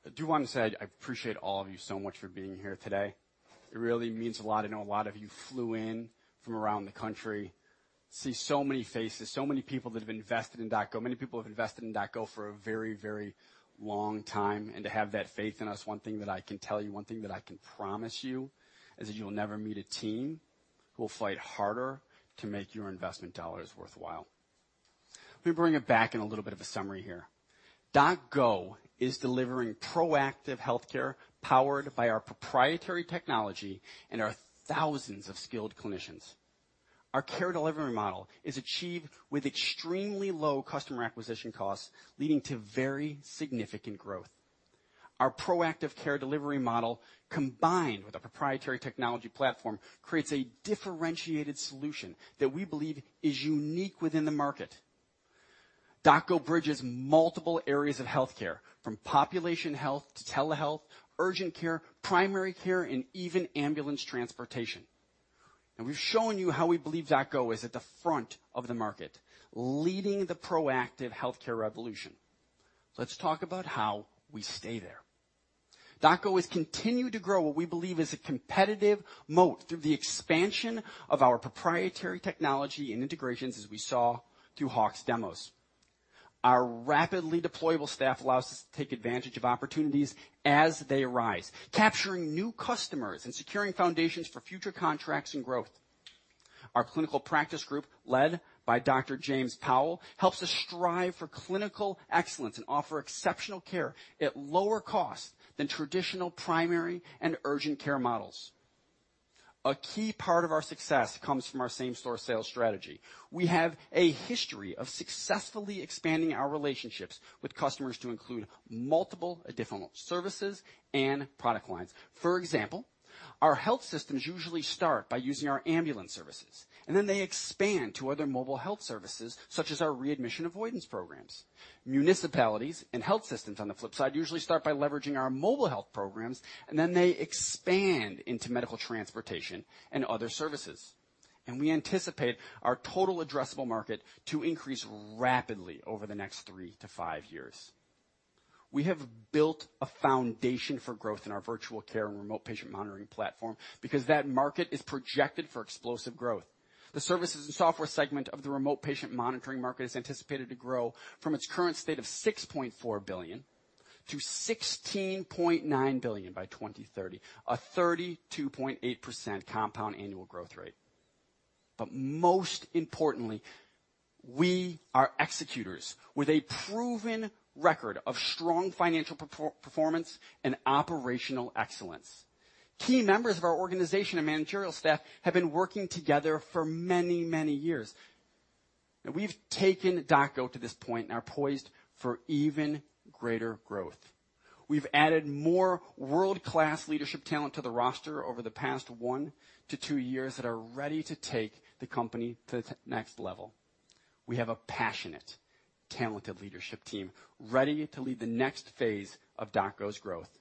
take this. I do want to say, I appreciate all of you so much for being here today. It really means a lot. I know a lot of you flew in from around the country. See so many faces, so many people that have invested in DocGo. Many people have invested in DocGo for a very, very long time, and to have that faith in us, one thing that I can tell you, one thing that I can promise you, is that you'll never meet a team who will fight harder to make your investment dollars worthwhile. Let me bring it back in a little bit of a summary here. DocGo is delivering proactive healthcare, powered by our proprietary technology and our thousands of skilled clinicians. Our care delivery model is achieved with extremely low customer acquisition costs, leading to very significant growth. Our proactive care delivery model, combined with a proprietary technology platform, creates a differentiated solution that we believe is unique within the market. DocGo bridges multiple areas of healthcare, from population health to telehealth, urgent care, primary care, and even ambulance transportation. We've shown you how we believe DocGo is at the front of the market, leading the proactive healthcare revolution. Let's talk about how we stay there. DocGo has continued to grow what we believe is a competitive moat through the expansion of our proprietary technology and integrations, as we saw through Hawk's demos. Our rapidly deployable staff allows us to take advantage of opportunities as they arise, capturing new customers and securing foundations for future contracts and growth. Our clinical practice group, led by Dr. James Powell, helps us strive for clinical excellence and offer exceptional care at lower costs than traditional, primary, and urgent care models. A key part of our success comes from our same-store sales strategy. We have a history of successfully expanding our relationships with customers to include multiple additional services and product lines. For example, our health systems usually start by using our ambulance services, and then they expand to other mobile health services, such as our readmission avoidance programs. Municipalities and health systems, on the flip side, usually start by leveraging our mobile health programs, and then they expand into medical transportation and other services. We anticipate our total addressable market to increase rapidly over the next three to five years. We have built a foundation for growth in our virtual care and remote patient monitoring platform because that market is projected for explosive growth. The services and software segment of the remote patient monitoring market is anticipated to grow from its current state of $6.4 billion to $16.9 billion by 2030, a 32.8% compound annual growth rate. Most importantly, we are executors with a proven record of strong financial performance and operational excellence. Key members of our organization and managerial staff have been working together for many years, and we've taken DocGo to this point and are poised for even greater growth. We've added more world-class leadership talent to the roster over the past one to two years that are ready to take the company to the next level. We have a passionate, talented leadership team ready to lead the next phase of DocGo's growth.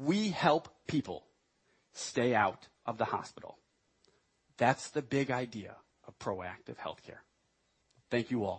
We help people stay out of the hospital. That's the big idea of proactive healthcare. Thank you all.